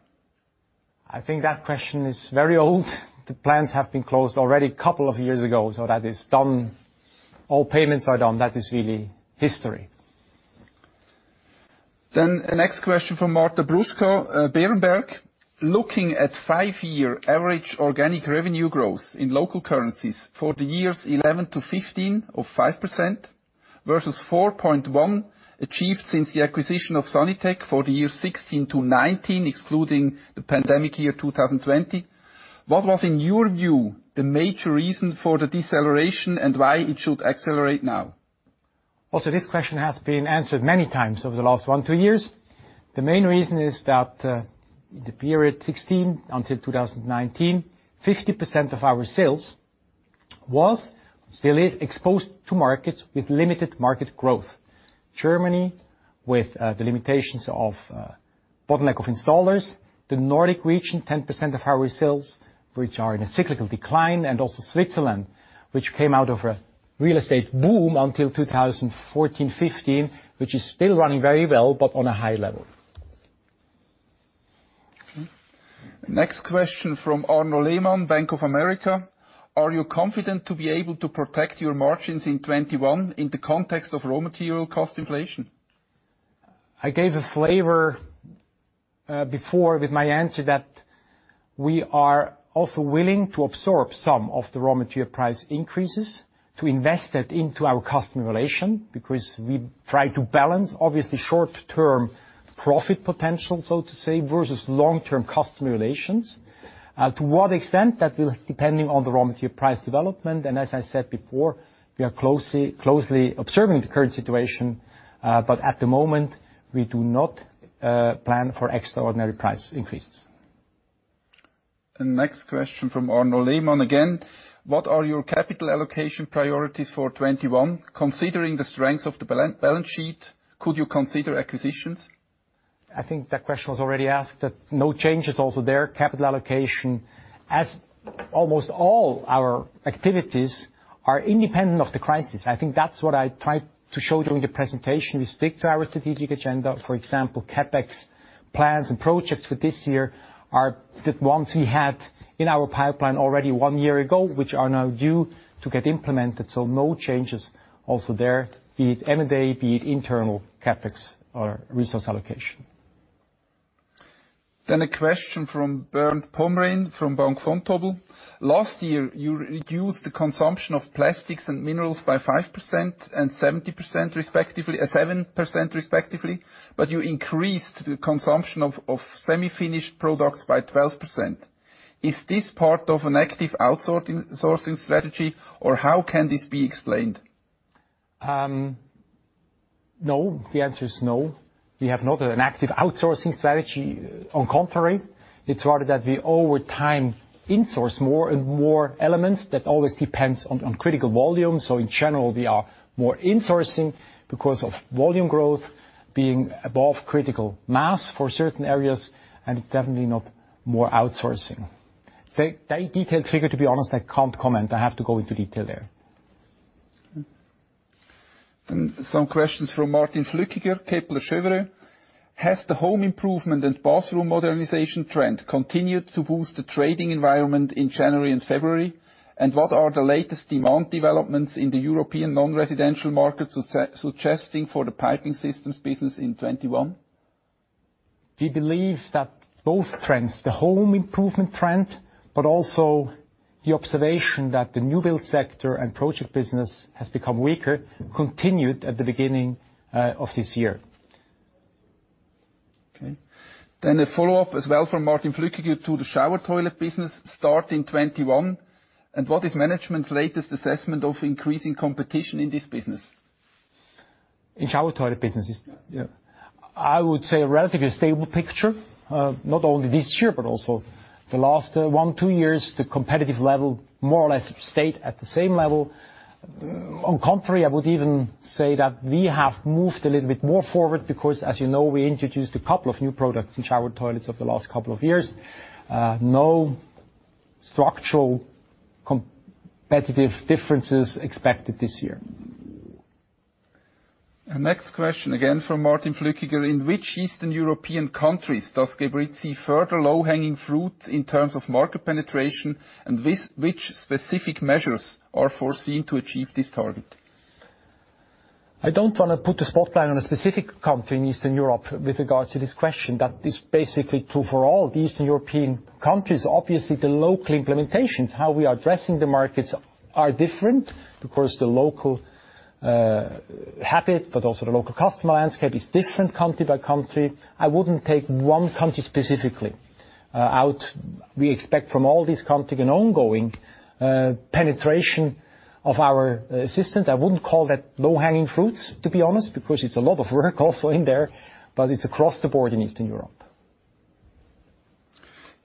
I think that question is very old. The plants have been closed already a couple of years ago, so that is done. All payments are done. That is really history. Next question from Marta Bruska, Berenberg. Looking at 5-year average organic revenue growth in local currencies for the years 2011 to 2015 of 5% versus 4.1% achieved since the acquisition of Sanitec for the year 2016 to 2019, excluding the pandemic year 2020, what was, in your view, the major reason for the deceleration and why it should accelerate now? This question has been answered many times over the last one, two years. The main reason is that, the period 2016 until 2019, 50% of our sales was, still is, exposed to markets with limited market growth. Germany, with the limitations of bottleneck of installers, the Nordic region, 10% of our sales, which are in a cyclical decline, and also Switzerland, which came out of a real estate boom until 2014, 2015, which is still running very well, but on a high level. Next question from Arnaud Lehmann, Bank of America. Are you confident to be able to protect your margins in 2021 in the context of raw material cost inflation? I gave a flavor before with my answer that. We are also willing to absorb some of the raw material price increases to invest that into our customer relation, because we try to balance obviously short-term profit potential, so to say, versus long-term customer relations. To what extent? That will depend on the raw material price development. As I said before, we are closely observing the current situation. At the moment, we do not plan for extraordinary price increases. Next question from Arnaud Lehmann again. What are your capital allocation priorities for 2021, considering the strengths of the balance sheet, could you consider acquisitions? I think that question was already asked. No changes also there. Capital allocation, as almost all our activities are independent of the crisis. I think that's what I tried to show during the presentation. We stick to our strategic agenda. For example, CapEx plans and projects for this year are the ones we had in our pipeline already one year ago, which are now due to get implemented. No changes also there, be it M&A, be it internal CapEx or resource allocation. A question from Bernd Pomrehn from Bank Vontobel. Last year, you reduced the consumption of plastics and minerals by 5% and 7%, respectively, but you increased the consumption of semi-finished products by 12%. Is this part of an active outsourcing strategy, or how can this be explained? No. The answer is no. We have not an active outsourcing strategy. On contrary, it's rather that we, over time, insource more and more elements. That always depends on critical volume. In general, we are more insourcing because of volume growth being above critical mass for certain areas, and it's definitely not more outsourcing. That detailed figure, to be honest, I can't comment. I have to go into detail there. Some questions from Martin Flueckiger, Kepler Cheuvreux. Has the home improvement and bathroom modernization trend continued to boost the trading environment in January and February? What are the latest demand developments in the European non-residential markets suggesting for the Piping Systems business in 2021? We believe that both trends, the home improvement trend, but also the observation that the new build sector and project business has become weaker, continued at the beginning of this year. Okay. A follow-up as well from Martin Flueckiger to the shower toilet business starting 2021. What is management's latest assessment of increasing competition in this business? In shower toilet businesses? Yeah. I would say a relatively stable picture. Not only this year, but also the last one, two years, the competitive level more or less stayed at the same level. On contrary, I would even say that we have moved a little bit more forward because, as you know, we introduced a couple of new products in shower toilets over the last couple of years. No structural competitive differences expected this year. Next question, again from Martin Flueckiger. In which Eastern European countries does Geberit see further low-hanging fruit in terms of market penetration, and which specific measures are foreseen to achieve this target? I don't want to put a spotlight on a specific country in Eastern Europe with regards to this question. That is basically true for all the Eastern European countries. Obviously, the local implementations, how we are addressing the markets, are different because the local habit, but also the local customer landscape is different country by country. I wouldn't take one country specifically out. We expect from all these countries an ongoing penetration of our systems. I wouldn't call that low-hanging fruits, to be honest, because it's a lot of work also in there, but it's across the board in Eastern Europe.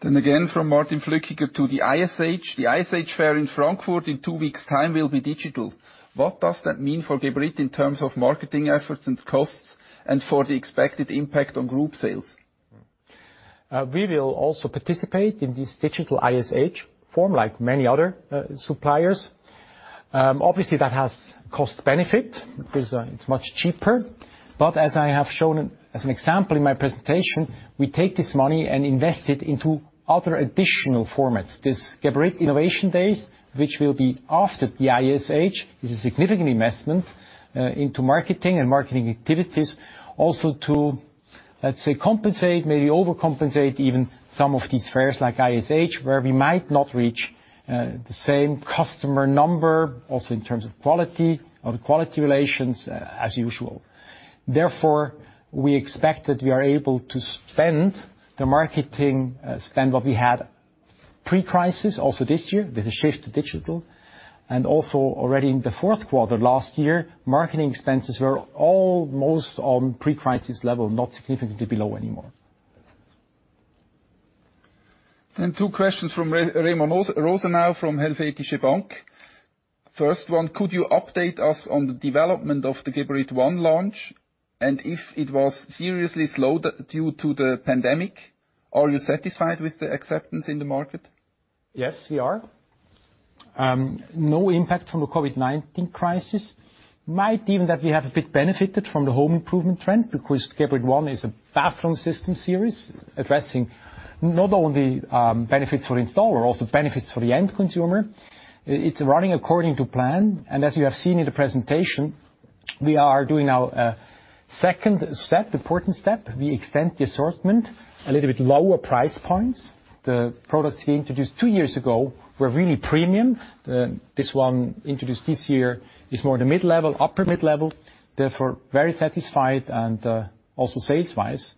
From Martin Flueckiger to the ISH. The ISH fair in Frankfurt in two weeks' time will be digital. What does that mean for Geberit in terms of marketing efforts and costs and for the expected impact on group sales? We will also participate in this digital ISH forum, like many other suppliers. Obviously, that has cost benefit because it's much cheaper. As I have shown as an example in my presentation, we take this money and invest it into other additional formats. This Geberit Innovation Days, which will be after the ISH, is a significant investment into marketing and marketing activities. Also to, let's say, compensate, maybe overcompensate even some of these fairs like ISH, where we might not reach the same customer number, also in terms of quality or the quality relations as usual. Therefore, we expect that we are able to spend the marketing spend what we had pre-crisis also this year with a shift to digital, and also already in the fourth quarter last year, marketing expenses were almost on pre-crisis level, not significantly below anymore. Two questions from Remo Rosenau from Helvetische Bank. First one, could you update us on the development of the Geberit ONE launch, and if it was seriously slowed due to the pandemic? Are you satisfied with the acceptance in the market? Yes, we are. No impact from the COVID-19 crisis. Might even that we have a bit benefited from the home improvement trend because Geberit ONE is a bathroom system series addressing not only benefits for the installer, also benefits for the end consumer. It's running according to plan. As you have seen in the presentation, we are doing our second step, important step. We extend the assortment, a little bit lower price points. The products we introduced 2 years ago were really premium. This one introduced this year is more the mid-level, upper mid-level, therefore very satisfied and also sales wise,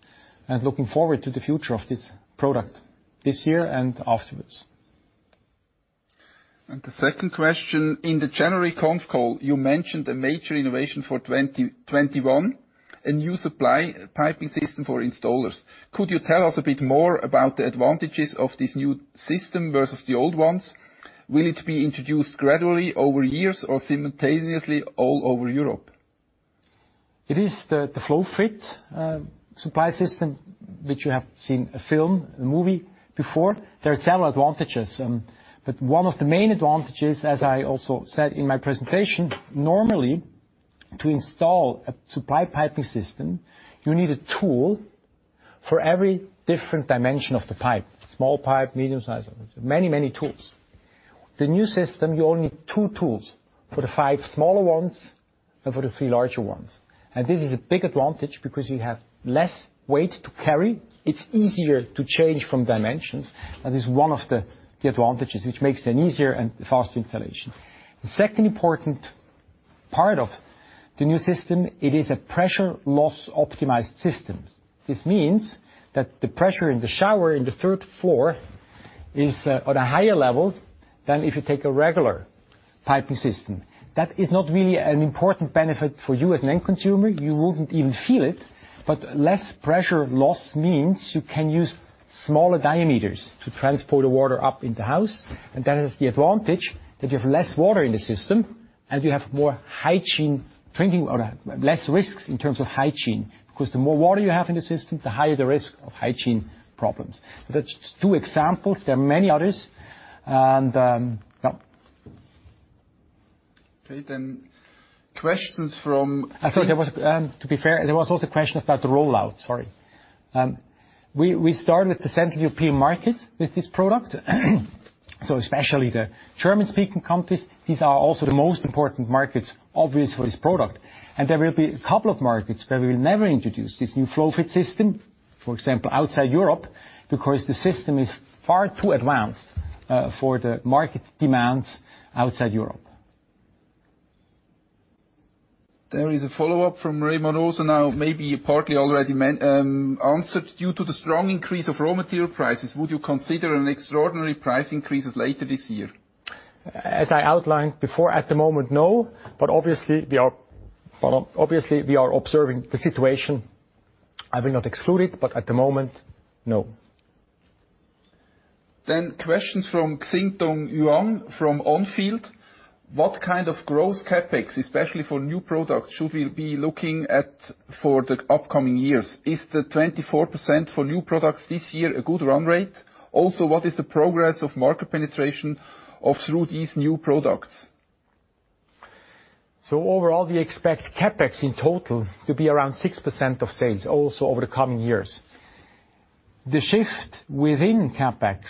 and looking forward to the future of this product this year and afterwards. The second question, in the January conf call, you mentioned a major innovation for 2021, a new supply piping system for installers. Could you tell us a bit more about the advantages of this new system versus the old ones? Will it be introduced gradually over years or simultaneously all over Europe? It is the FlowFit supply system, which you have seen a film, a movie before. There are several advantages, but one of the main advantages, as I also said in my presentation, normally to install a supply piping system, you need a tool for every different dimension of the pipe. Small pipe, medium-sized, many, many tools. The new system, you only need two tools. For the five smaller ones and for the three larger ones. This is a big advantage because you have less weight to carry. It's easier to change from dimensions, and is one of the advantages which makes an easier and faster installation. The second important part of the new system, it is a pressure loss optimized systems. This means that the pressure in the shower in the third floor is at a higher level than if you take a regular piping system. That is not really an important benefit for you as an end consumer. You wouldn't even feel it. Less pressure loss means you can use smaller diameters to transport the water up in the house. That has the advantage that you have less water in the system, and you have less risks in terms of hygiene. The more water you have in the system, the higher the risk of hygiene problems. That's two examples. There are many others. Okay, questions from. Sorry, to be fair, there was also a question about the rollout. Sorry. We start with the Central European market with this product. Especially the German-speaking countries. These are also the most important markets, obviously, for this product. There will be a couple of markets where we will never introduce this new FlowFit system. For example, outside Europe, because the system is far too advanced for the market demands outside Europe. There is a follow-up from Remo Rosenau, maybe partly already answered. Due to the strong increase of raw material prices, would you consider an extraordinary price increases later this year? As I outlined before, at the moment, no. Obviously, we are observing the situation. I will not exclude it, but at the moment, no. Questions from Yassine Touahri from Onfield. What kind of growth CapEx, especially for new products, should we be looking at for the upcoming years? Is the 24% for new products this year a good run rate? What is the progress of market penetration of through these new products? Overall, we expect CapEx in total to be around 6% of sales also over the coming years. The shift within CapEx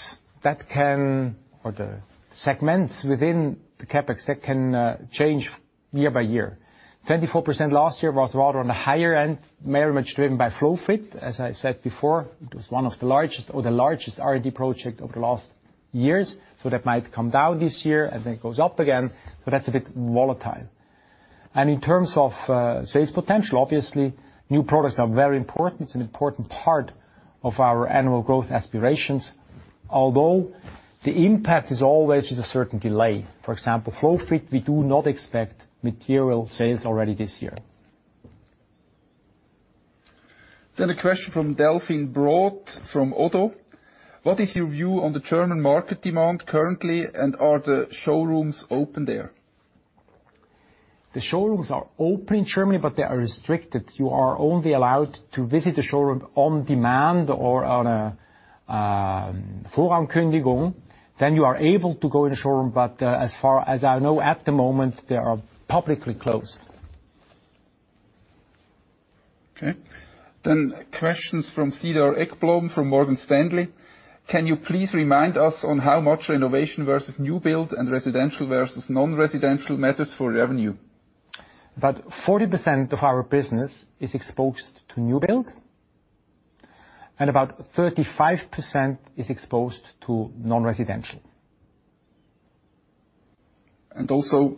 or the segments within the CapEx, that can change year by year. 24% last year was rather on the higher end, very much driven by FlowFit, as I said before. It was one of the largest, or the largest R&D project over the last years. That might come down this year and then it goes up again, so that's a bit volatile. In terms of sales potential, obviously, new products are very important. It's an important part of our annual growth aspirations. Although the impact is always with a certain delay. For example, FlowFit, we do not expect material sales already this year. A question from Delphine Brault from Oddo. What is your view on the German market demand currently, and are the showrooms open there? The showrooms are open in Germany, but they are restricted. You are only allowed to visit the showroom on demand or Then you are able to go in the showroom, but as far as I know at the moment, they are publicly closed. Okay. Questions from Cedar Ekblom from Morgan Stanley. Can you please remind us on how much renovation versus new build and residential versus non-residential matters for revenue? About 40% of our business is exposed to new build, and about 35% is exposed to non-residential. Also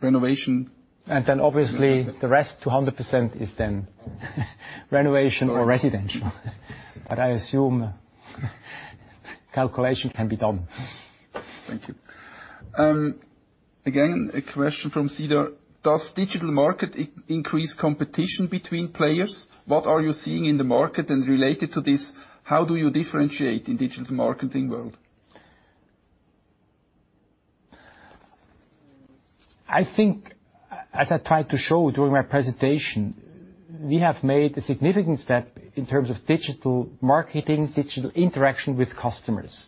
renovation? Obviously the rest, 200%, is then renovation or residential. I assume calculation can be done. Thank you. Again, a question from Cedar. Does digital market increase competition between players? What are you seeing in the market? Related to this, how do you differentiate in digital marketing world? I think, as I tried to show during my presentation, we have made a significant step in terms of digital marketing, digital interaction with customers.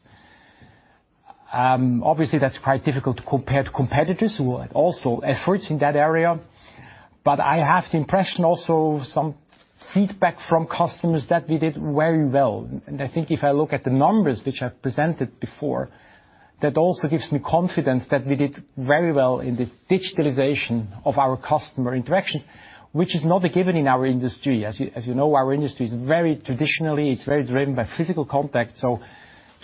Obviously, that's quite difficult to compare to competitors who also efforts in that area. I have the impression also some feedback from customers that we did very well. I think if I look at the numbers, which I presented before, that also gives me confidence that we did very well in this digitalization of our customer interactions, which is not a given in our industry. As you know, our industry is very traditional, it's very driven by physical contact.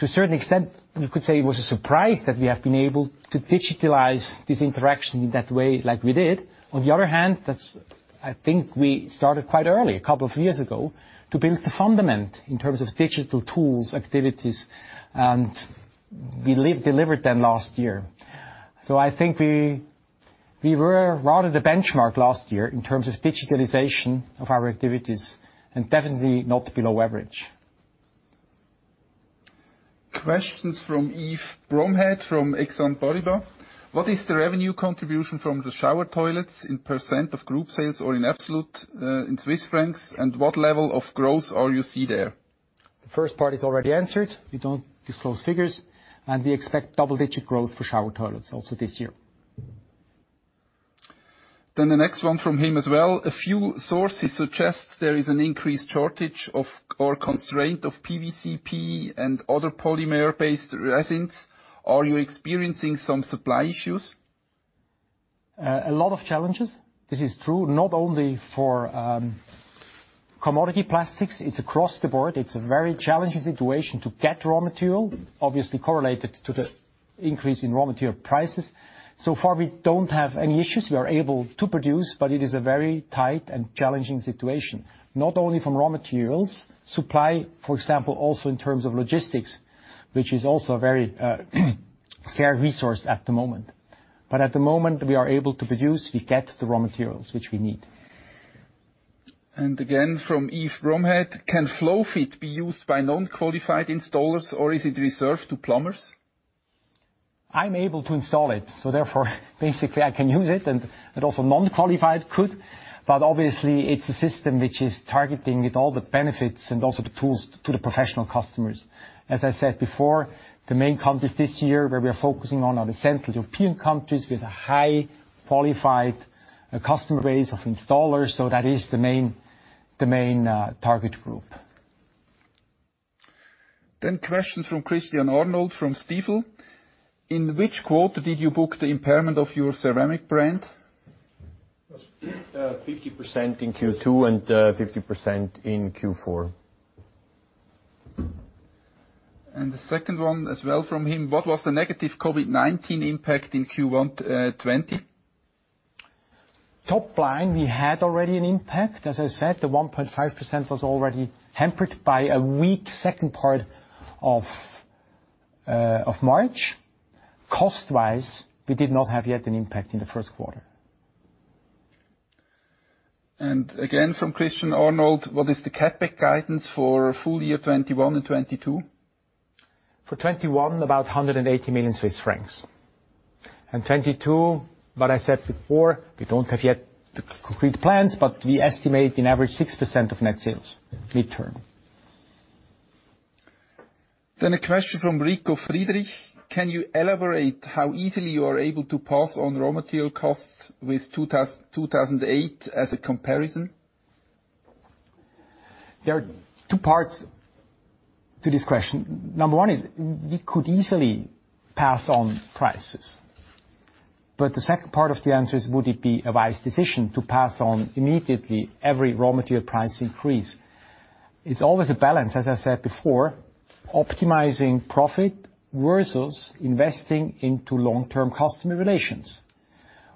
To a certain extent, you could say it was a surprise that we have been able to digitalize this interaction in that way like we did. I think we started quite early, a couple of years ago, to build the fundament in terms of digital tools, activities, and we delivered them last year. I think we were rather the benchmark last year in terms of digitalization of our activities, and definitely not below average. Questions from Yves Bromehead from Exane BNP Paribas. What is the revenue contribution from the shower toilets in % of group sales or in absolute in CHF, and what level of growth are you see there? The first part is already answered. We don't disclose figures, we expect double-digit growth for shower toilets also this year. The next one from him as well. A few sources suggest there is an increased shortage of, or constraint of PVC-P and other polymer-based resins. Are you experiencing some supply issues? A lot of challenges. This is true not only for commodity plastics, it's across the board. It's a very challenging situation to get raw material, obviously correlated to the increase in raw material prices. Far, we don't have any issues. We are able to produce, but it is a very tight and challenging situation, not only from raw materials supply, for example, also in terms of logistics, which is also a very scarce resource at the moment. At the moment, we are able to produce, we get the raw materials which we need. Again, from Yves Bromehead. Can FlowFit be used by non-qualified installers, or is it reserved to plumbers? I'm able to install it, therefore, basically, I can use it, and also non-qualified could. Obviously, it's a system which is targeting with all the benefits and also the tools to the professional customers. As I said before, the main countries this year where we are focusing on are the Central European countries with a high qualified customer base of installers. That is the main target group. Questions from Christian Arnold from Stifel. In which quarter did you book the impairment of your ceramic brand? 50% in Q2 and 50% in Q4. The second one as well from him, what was the negative COVID-19 impact in Q1 2020? Top line, we had already an impact. As I said, the 1.5% was already hampered by a weak second part of March. Cost-wise, we did not have yet an impact in the first quarter. Again, from Christian Arnold, what is the CapEx guidance for full year 2021 and 2022? For 2021, about CHF 180 million. 2022, what I said before, we don't have yet the concrete plans, but we estimate an average 6% of net sales midterm. A question from Ricco Friedrich. Can you elaborate how easily you are able to pass on raw material costs with 2008 as a comparison? There are two parts to this question. Number one is we could easily pass on prices, the second part of the answer is would it be a wise decision to pass on immediately every raw material price increase? It's always a balance, as I said before, optimizing profit versus investing into long-term customer relations.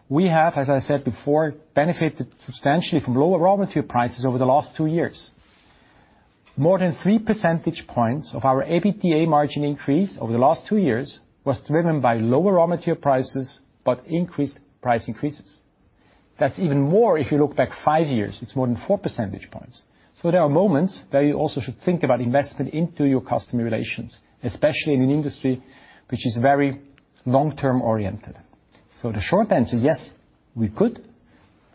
We have, as I said before, benefited substantially from lower raw material prices over the last two years. More than three percentage points of our EBITDA margin increase over the last two years was driven by lower raw material prices, increased price increases. That's even more if you look back five years, it's more than four percentage points. There are moments where you also should think about investment into your customer relations, especially in an industry which is very long-term oriented. The short answer, yes, we could,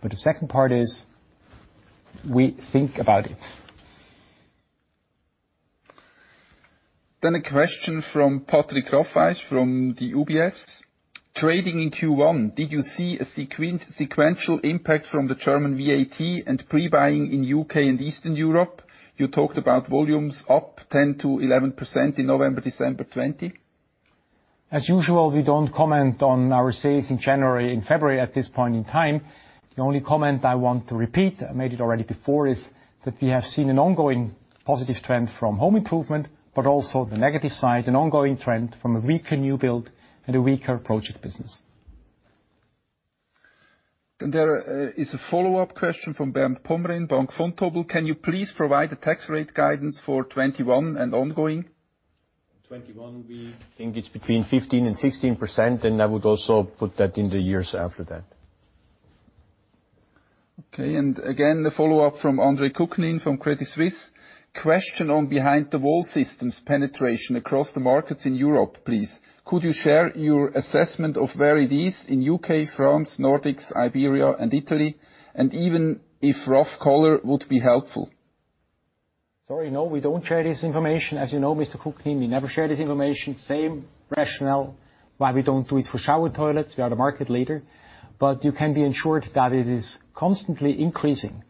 but the second part is, we think about it. A question from Patrick Rafaisz from the UBS. Trading in Q1, did you see a sequential impact from the German VAT and pre-buying in U.K. and Eastern Europe? You talked about volumes up 10%-11% in November, December 2020. As usual, we don't comment on our sales in January and February at this point in time. The only comment I want to repeat, I made it already before, is that we have seen an ongoing positive trend from home improvement, but also the negative side, an ongoing trend from a weaker new build and a weaker project business. There is a follow-up question from Bernd Pomrehn, Bank Vontobel. Can you please provide a tax rate guidance for 2021 and ongoing? 2021, we think it's between 15% and 16%, and I would also put that in the years after that. Okay, again, a follow-up from Andre Kukhnin from Credit Suisse. Question on behind-the-wall systems penetration across the markets in Europe, please. Could you share your assessment of where it is in U.K., France, Nordics, Iberia, and Italy? Even if rough color would be helpful. Sorry, no, we don't share this information. As you know, Mr. Kukhnin, we never share this information. Same rationale why we don't do it for shower toilets. We are the market leader. You can be ensured that it is constantly increasing.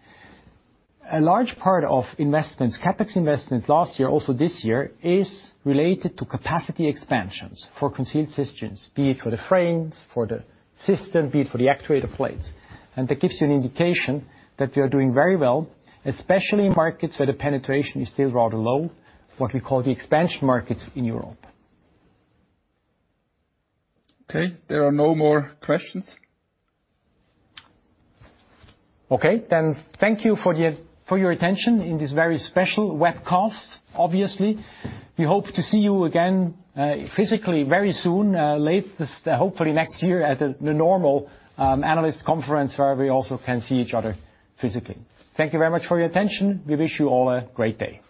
A large part of investments, CapEx investments last year, also this year, is related to capacity expansions for concealed systems, be it for the frames, for the system, be it for the actuator plates. That gives you an indication that we are doing very well, especially in markets where the penetration is still rather low, what we call the expansion markets in Europe. Okay, there are no more questions. Okay, thank you for your attention in this very special webcast. Obviously, we hope to see you again, physically very soon, hopefully next year at the normal analyst conference where we also can see each other physically. Thank you very much for your attention. We wish you all a great day.